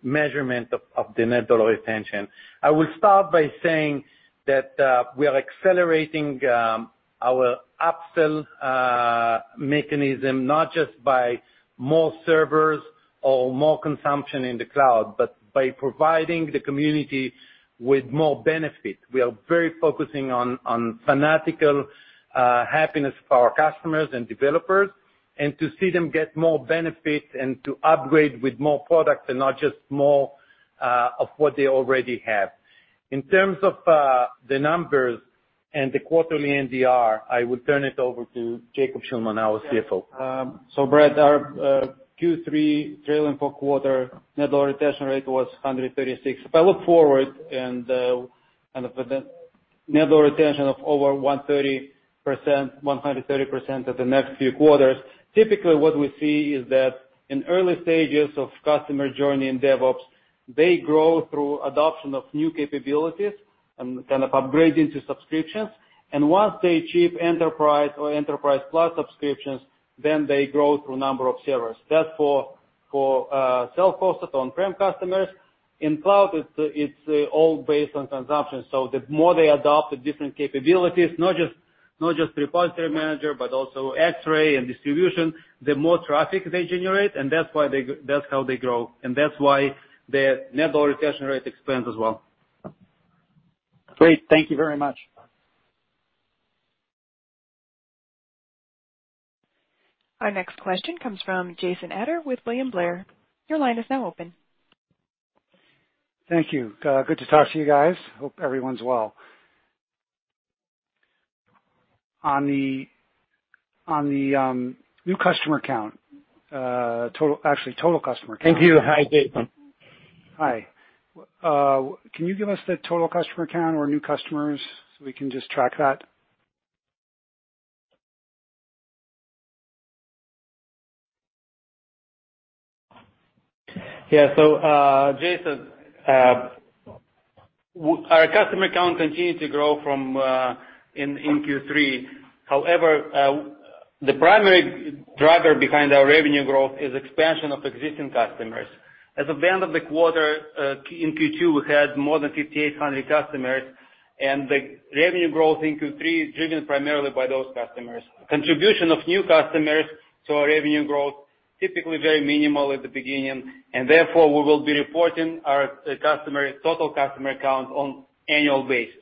measurement of the net dollar retention. I will start by saying that we are accelerating our upsell mechanism, not just by more servers or more consumption in the cloud, but by providing the community with more benefit. We are very focusing on fanatical happiness for our customers and developers, and to see them get more benefit and to upgrade with more products and not just more of what they already have. In terms of the numbers and the quarterly NDR, I would turn it over to Jacob Shulman, our CFO. Brad, our Q3 trailing four-quarter net dollar retention rate was 136%. If I look forward and, net dollar retention of over 130% at the next few quarters, typically what we see is that in early stages of customer journey in DevOps, they grow through adoption of new capabilities and kind of upgrade into subscriptions. Once they achieve Enterprise or Enterprise+ subscriptions, then they grow through number of servers. That's for self-hosted on-prem customers. In cloud, it's all based on consumption. The more they adopt the different capabilities, not just repository manager, but also Xray and Distribution, the more traffic they generate. That's how they grow, and that's why their net dollar retention rate expands as well. Great. Thank you very much. Our next question comes from Jason Ader with William Blair. Your line is now open. Thank you. Good to talk to you guys. Hope everyone's well. On the new customer count, actually total customer count. Thank you. Hi, Jason. Hi. Can you give us the total customer count or new customers so we can just track that? Jason, our customer count continued to grow in Q3. The primary driver behind our revenue growth is expansion of existing customers. As of the end of the quarter, in Q2, we had more than 5,800 customers, and the revenue growth in Q3 is driven primarily by those customers. Contribution of new customers to our revenue growth, typically very minimal at the beginning, and therefore, we will be reporting our total customer count on annual basis.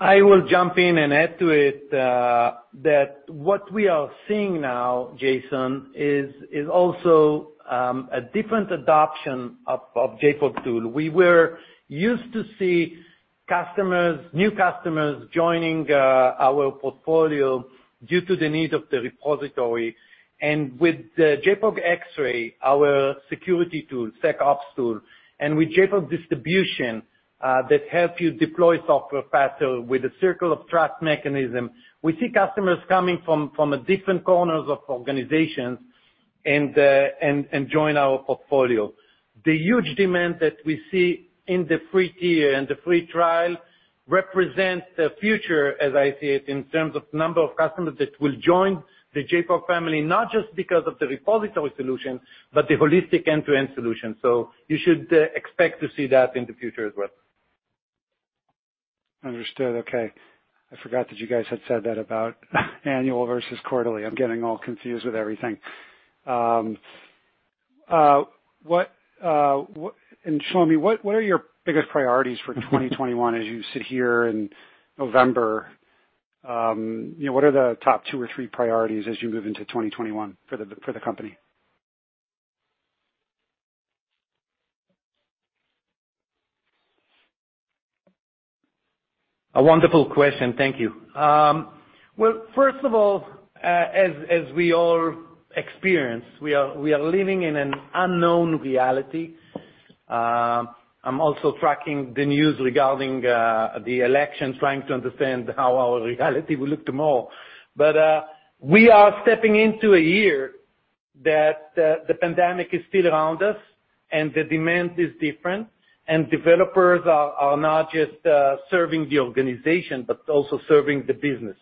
I will jump in and add to it, that what we are seeing now, Jason, is also a different adoption of JFrog tool. We were used to see new customers joining our portfolio due to the need of the repository. With the JFrog Xray, our security tool, SecOps tool, and with JFrog Distribution, that help you deploy software faster with a circle of trust mechanism, we see customers coming from different corners of organizations and join our portfolio. The huge demand that we see in the free tier and the free trial represents the future, as I see it, in terms of number of customers that will join the JFrog family, not just because of the repository solution, but the holistic end-to-end solution. You should expect to see that in the future as well. Understood. Okay. I forgot that you guys had said that about annual versus quarterly. I'm getting all confused with everything. Shlomi, what are your biggest priorities for 2021 as you sit here in November? What are the top two or three priorities as you move into 2021 for the company? A wonderful question. Thank you. Well, first of all, as we all experience, we are living in an unknown reality. I'm also tracking the news regarding the election, trying to understand how our reality will look tomorrow. We are stepping into a year that the pandemic is still around us, and the demand is different, and developers are not just serving the organization, but also serving the business.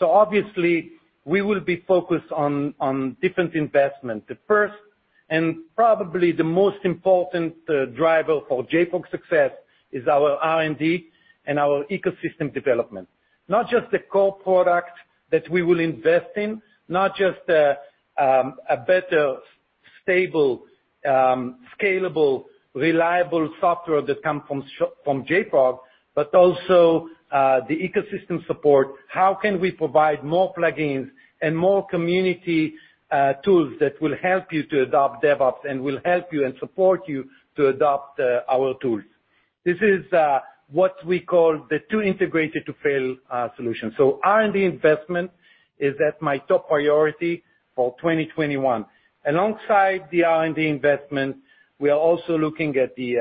Obviously, we will be focused on different investment. The first, and probably the most important driver for JFrog success is our R&D and our ecosystem development. Not just the core product that we will invest in, not just a better, stable, scalable, reliable software that comes from JFrog, but also the ecosystem support. How can we provide more plug-ins and more community tools that will help you to adopt DevOps and will help you and support you to adopt our tools? This is what we call the too integrated to fail solution. R&D investment is at my top priority for 2021. Alongside the R&D investment, we are also looking at the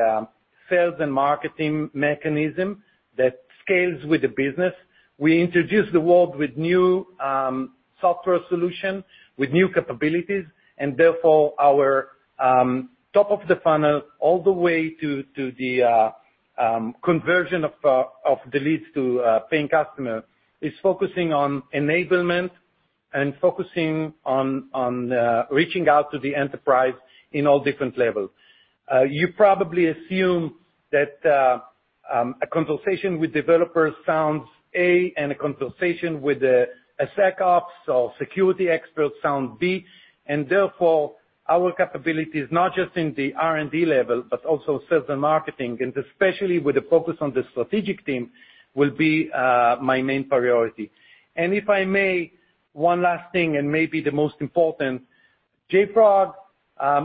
sales and marketing mechanism that scales with the business. We introduce the world with new software solution, with new capabilities, and therefore our top of the funnel, all the way to the conversion of the leads to paying customer, is focusing on enablement and focusing on reaching out to the enterprise in all different levels. You probably assume that a conversation with developers sounds A, and a conversation with a SecOps or security expert sound B, and therefore our capability is not just in the R&D level, but also sales and marketing, and especially with the focus on the strategic team, will be my main priority. If I may, one last thing, maybe the most important, JFrog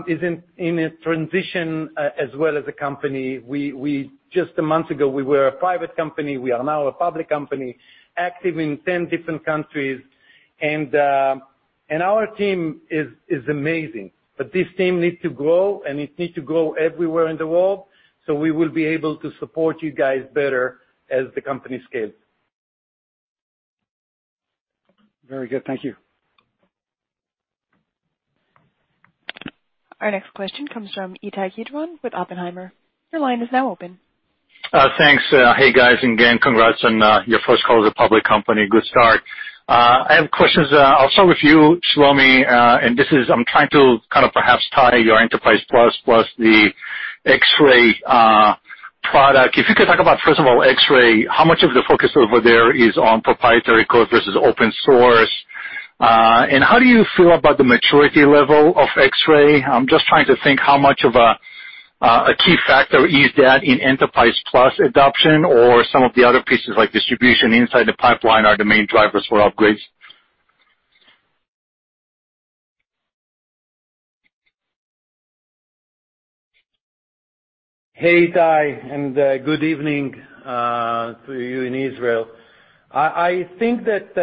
is in a transition, as well as a company. Just a month ago, we were a private company. We are now a public company, active in 10 different countries. Our team is amazing. This team needs to grow, it needs to grow everywhere in the world, we will be able to support you guys better as the company scales. Very good. Thank you. Our next question comes from Ittai Kidron with Oppenheimer. Your line is now open. Thanks. Hey, guys. Again, congrats on your first call as a public company. Good start. I have questions also with you, Shlomi, and I'm trying to perhaps tie your Enterprise+ the Xray product. If you could talk about, first of all, Xray, how much of the focus over there is on proprietary code versus open source? How do you feel about the maturity level of Xray? I'm just trying to think how much of a key factor is that in Enterprise+ adoption or some of the other pieces like distribution inside the pipeline are the main drivers for upgrades. Hey, Ittai, good evening to you in Israel. I think that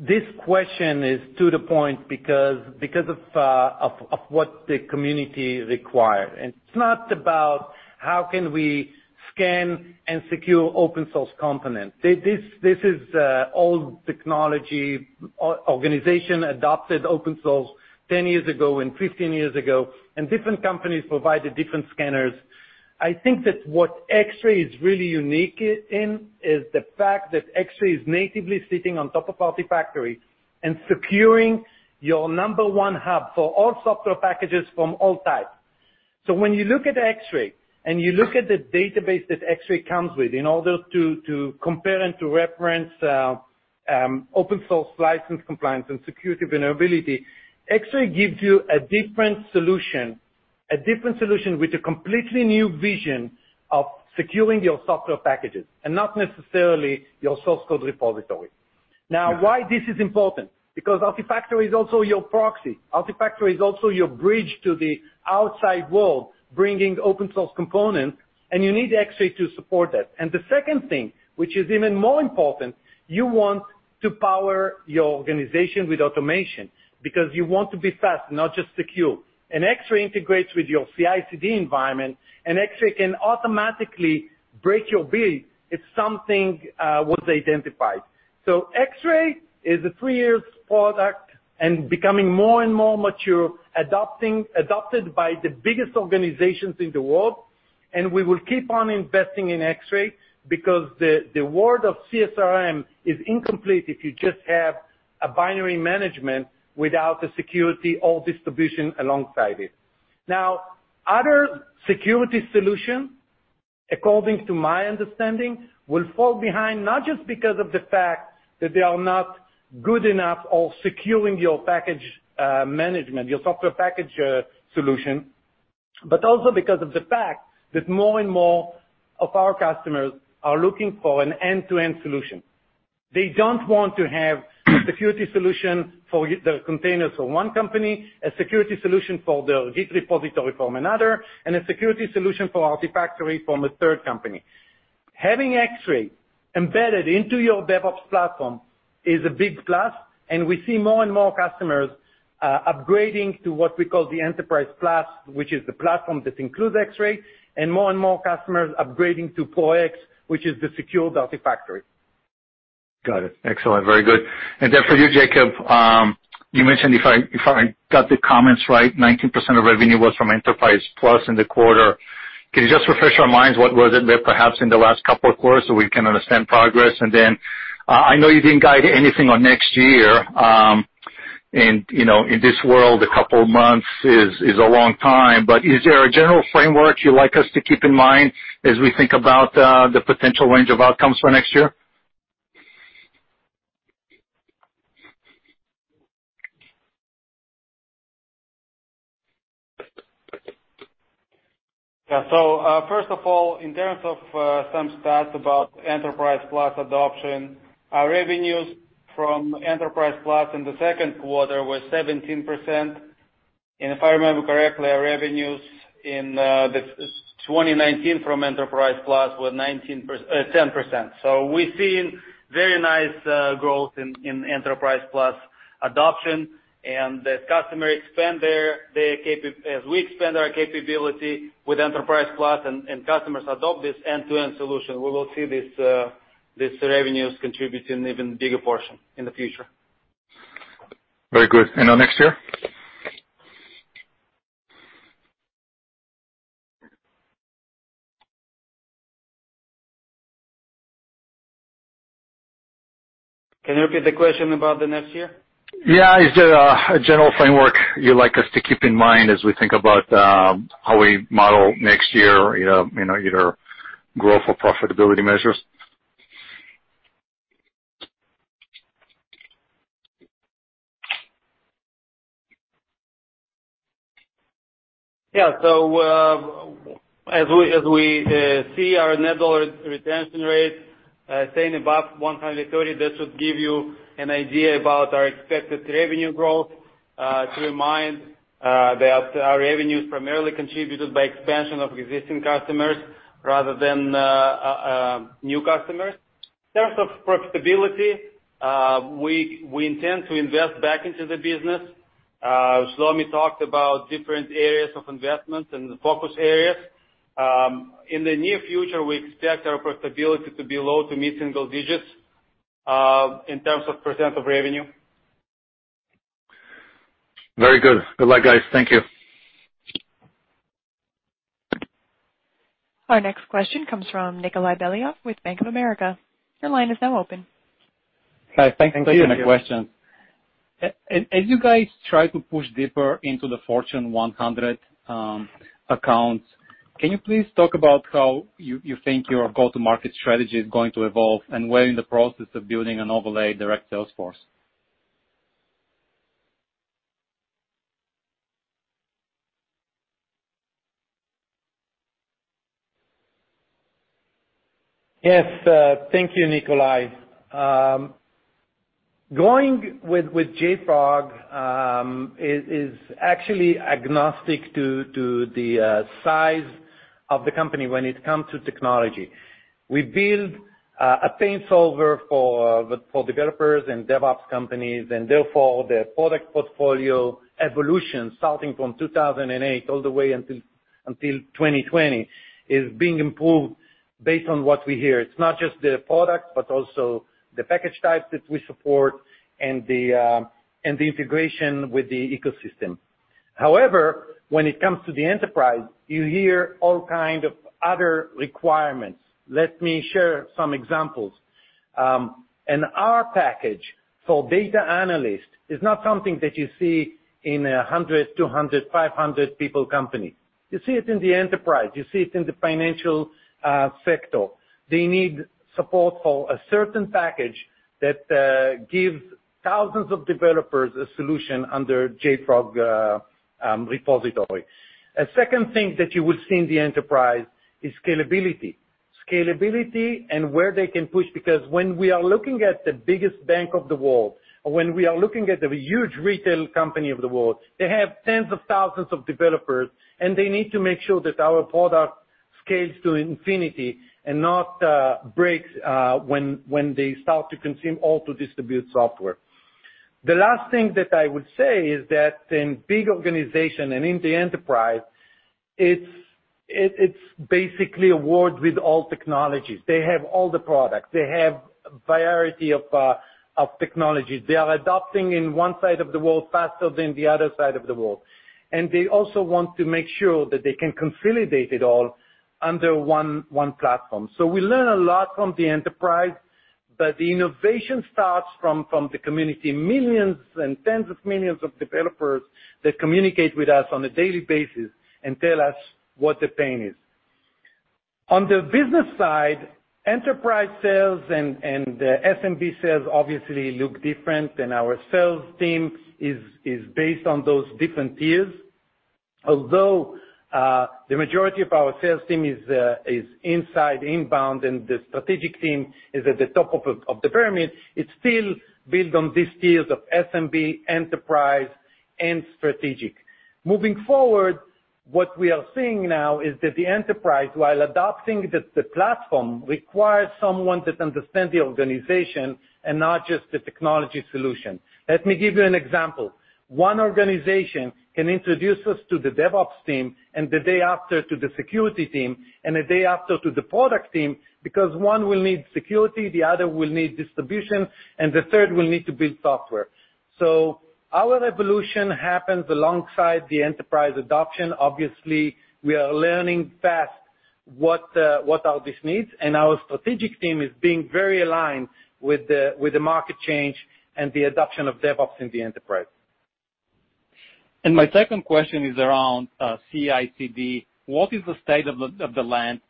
this question is to the point because of what the community require. It's not about how can we scan and secure open source component. This is old technology. Organization adopted open source 10 years ago and 15 years ago, and different companies provided different scanners. I think that what Xray is really unique in is the fact that Xray is natively sitting on top of Artifactory and securing your number one hub for all software packages from all types. When you look at Xray and you look at the database that Xray comes with in order to compare and to reference open source license compliance and security vulnerability, Xray gives you a different solution with a completely new vision of securing your software packages and not necessarily your source code repository. Now, why this is important? Artifactory is also your proxy. Artifactory is also your bridge to the outside world, bringing open source component, and you need Xray to support that. The second thing, which is even more important, you want to power your organization with automation because you want to be fast, not just secure. Xray integrates with your CI/CD environment, and Xray can automatically break your build if something was identified. Xray is a three years product and becoming more and more mature, adopted by the biggest organizations in the world, and we will keep on investing in Xray because the world of CSRM is incomplete if you just have a binary management without the security or distribution alongside it. Other security solution, according to my understanding, will fall behind, not just because of the fact that they are not good enough or securing your package management, your software package solution, but also because of the fact that more and more of our customers are looking for an end-to-end solution. They don't want to have a security solution for the containers for one company, a security solution for their Git repository from another, and a security solution for Artifactory from a third company. Having Xray embedded into your DevOps platform is a big plus, and we see more and more customers upgrading to what we call JFrog Enterprise+, which is the platform that includes Xray, and more and more customers upgrading to Pro X, which is the secured Artifactory. Got it. Excellent. Very good. For you, Jacob, you mentioned, if I got the comments right, 19% of revenue was from JFrog Enterprise+ in the quarter. Can you just refresh our minds, what was it there perhaps in the last couple of quarters so we can understand progress? I know you didn't guide anything on next year. In this world, a couple of months is a long time, but is there a general framework you'd like us to keep in mind as we think about the potential range of outcomes for next year? Yeah. First of all, in terms of some stats about JFrog Enterprise+ adoption, our revenues from JFrog Enterprise+ in the second quarter were 17%. If I remember correctly, our revenues in 2019 from JFrog Enterprise+ were 10%. We're seeing very nice growth in JFrog Enterprise+ adoption, and as we expand our capability with JFrog Enterprise+ and customers adopt this end-to-end solution, we will see these revenues contributing an even bigger portion in the future. Very good. On next year? Can you repeat the question about the next year? Is there a general framework you'd like us to keep in mind as we think about how we model next year, either growth or profitability measures? As we see our net dollar retention rate staying above 130, that should give you an idea about our expected revenue growth. To remind, that our revenues primarily contributed by expansion of existing customers rather than new customers. In terms of profitability, we intend to invest back into the business. Shlomi talked about different areas of investment and the focus areas. In the near future, we expect our profitability to be low to mid-single digits, in terms of % of revenue. Very good. Good luck, guys. Thank you. Our next question comes from Nikolay Beliov with Bank of America. Your line is now open. Hi. Thank you for your question. Thank you. As you guys try to push deeper into the Fortune 100 accounts, can you please talk about how you think your go-to market strategy is going to evolve, and where in the process of building an overlay direct sales force? Yes. Thank you, Nikolay. Going with JFrog is actually agnostic to the size of the company when it comes to technology. Therefore, the product portfolio evolution starting from 2008 all the way until 2020 is being improved based on what we hear. It's not just the product, but also the package types that we support and the integration with the ecosystem. When it comes to the enterprise, you hear all kind of other requirements. Let me share some examples. An R package for data analyst is not something that you see in 100, 200, 500 people company. You see it in the enterprise. You see it in the financial sector. They need support for a certain package that gives thousands of developers a solution under JFrog repository. A second thing that you would see in the enterprise is scalability. Scalability and where they can push, because when we are looking at the biggest bank of the world, or when we are looking at the huge retail company of the world, they have tens of thousands of developers, and they need to make sure that our product scales to infinity and not breaks when they start to consume auto distribute software. The last thing that I would say is that in big organization and in the enterprise, it's basically a world with all technologies. They have all the products. They have a variety of technologies. They are adopting in one side of the world faster than the other side of the world. They also want to make sure that they can consolidate it all under one platform. We learn a lot from the enterprise, but the innovation starts from the community, millions and tens of millions of developers that communicate with us on a daily basis and tell us what the pain is. On the business side, enterprise sales and SMB sales obviously look different, and our sales team is based on those different tiers. The majority of our sales team is inside inbound and the strategic team is at the top of the pyramid, it still builds on these tiers of SMB, enterprise, and strategic. Moving forward, what we are seeing now is that the enterprise, while adopting the platform, requires someone that understands the organization and not just the technology solution. Let me give you an example. One organization can introduce us to the DevOps team, and the day after to the security team, and the day after to the product team, because one will need security, the other will need distribution, and the third will need to build software. Our evolution happens alongside the enterprise adoption. Obviously, we are learning fast what are these needs, and our strategic team is being very aligned with the market change and the adoption of DevOps in the enterprise. My second question is around CI/CD. What is the state of the land?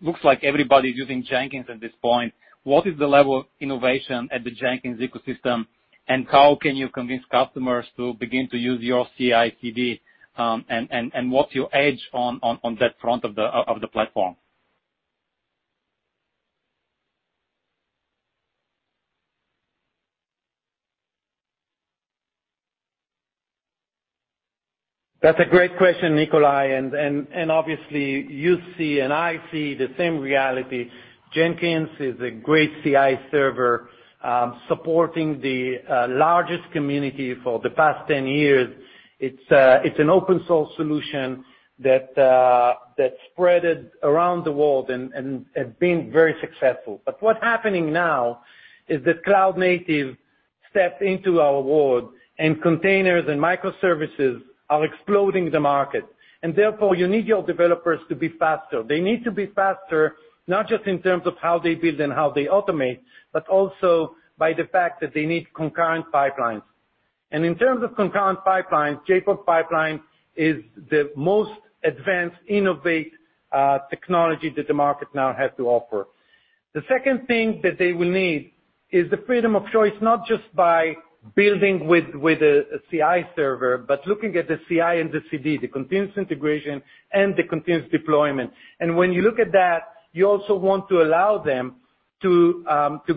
Looks like everybody's using Jenkins at this point. What is the level of innovation at the Jenkins ecosystem, and how can you convince customers to begin to use your CI/CD, and what's your edge on that front of the platform? That's a great question, Nikolay, and obviously you see and I see the same reality. Jenkins is a great CI server, supporting the largest community for the past 10 years. It's an open source solution that spread around the world and have been very successful. What's happening now is that cloud native stepped into our world, and containers and microservices are exploding the market. Therefore, you need your developers to be faster. They need to be faster, not just in terms of how they build and how they automate, but also by the fact that they need concurrent pipelines. In terms of concurrent pipelines, JFrog Pipeline is the most advanced innovative technology that the market now has to offer. The second thing that they will need is the freedom of choice, not just by building with a CI server, but looking at the CI and the CD, the continuous integration and the continuous deployment. When you look at that, you also want to allow them to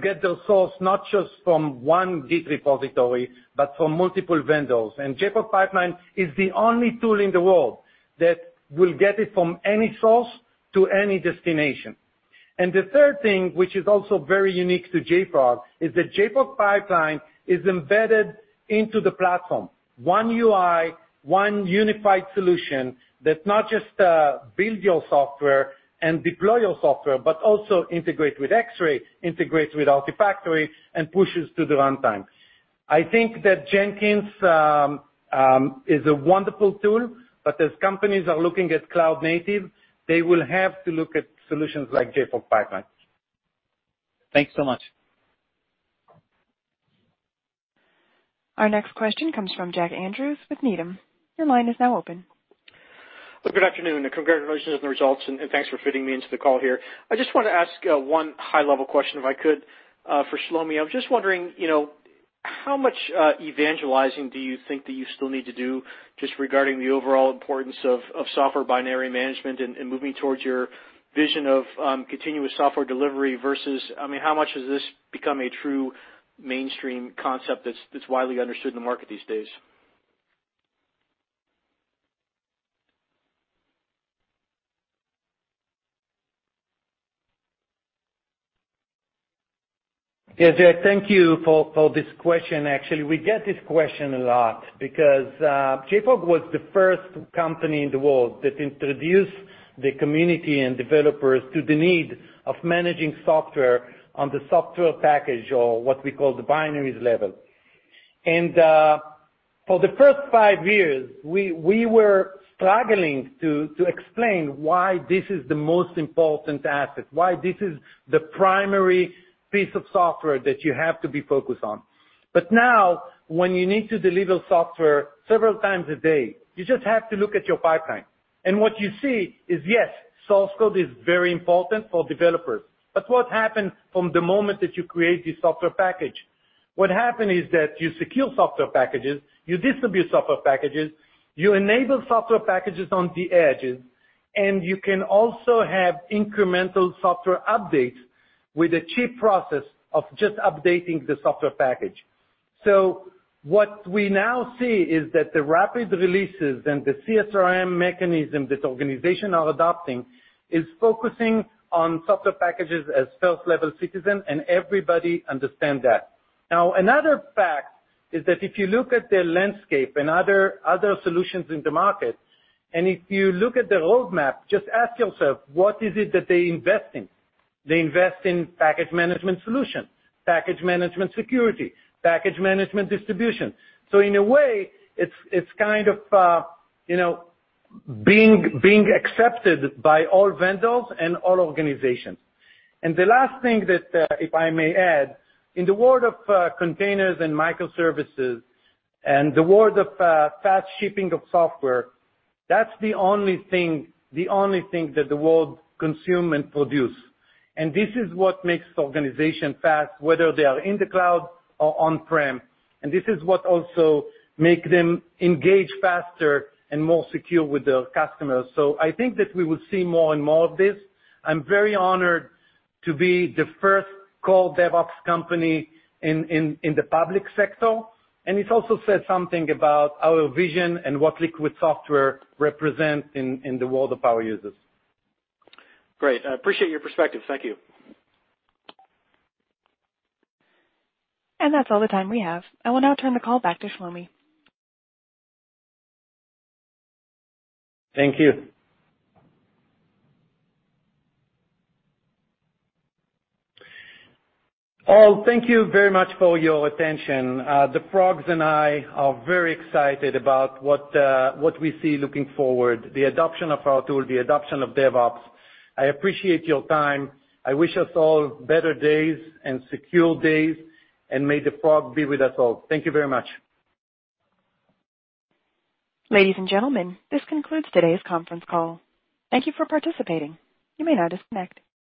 get their source, not just from one Git repository, but from multiple vendors. JFrog Pipelines is the only tool in the world that will get it from any source to any destination. The third thing, which is also very unique to JFrog, is that JFrog Pipelines is embedded into the platform. One UI, one unified solution, that not just build your software and deploy your software, but also integrates with Xray, integrates with Artifactory, and pushes to the runtime. I think that Jenkins is a wonderful tool, but as companies are looking at cloud native, they will have to look at solutions like JFrog Pipeline. Thanks so much. Our next question comes from Jack Andrews with Needham. Your line is now open. Good afternoon. Congratulations on the results, and thanks for fitting me into the call here. I just want to ask one high-level question, if I could, for Shlomi. I was just wondering, how much evangelizing do you think that you still need to do, just regarding the overall importance of software binary management and moving towards your vision of continuous software delivery versus, I mean, how much has this become a true mainstream concept that's widely understood in the market these days? Yeah, Jack, thank you for this question. Actually, we get this question a lot because JFrog was the first company in the world that introduced the community and developers to the need of managing software on the software package or what we call the binaries level. For the first five years, we were struggling to explain why this is the most important asset, why this is the primary piece of software that you have to be focused on. Now, when you need to deliver software several times a day, you just have to look at your pipeline. What you see is yes, source code is very important for developers. What happens from the moment that you create your software package? What happen is that you secure software packages, you distribute software packages, you enable software packages on the edges, and you can also have incremental software updates with a cheap process of just updating the software package. What we now see is that the rapid releases and the CSRM mechanism that organization are adopting is focusing on software packages as first-level citizen, and everybody understand that. Now, another fact is that if you look at the landscape and other solutions in the market, and if you look at the roadmap, just ask yourself, what is it that they invest in? They invest in package management solution, package management security, package management distribution. In a way, it's kind of being accepted by all vendors and all organizations. The last thing that, if I may add, in the world of containers and microservices and the world of fast shipping of software, that's the only thing the world consume and produce. This is what makes the organization fast, whether they are in the cloud or on-prem. This is what also make them engage faster and more secure with their customers. I think that we will see more and more of this. I'm very honored to be the first call DevOps company in the public sector, it also said something about our vision and what Liquid Software represent in the world of our users. Great. I appreciate your perspective. Thank you. That's all the time we have. I will now turn the call back to Shlomi. Thank you. All, thank you very much for your attention. The frogs and I are very excited about what we see looking forward, the adoption of our tool, the adoption of DevOps. I appreciate your time. I wish us all better days and secure days. May the Frog be with us all. Thank you very much. Ladies and gentlemen, this concludes today's conference call. Thank you for participating. You may now disconnect.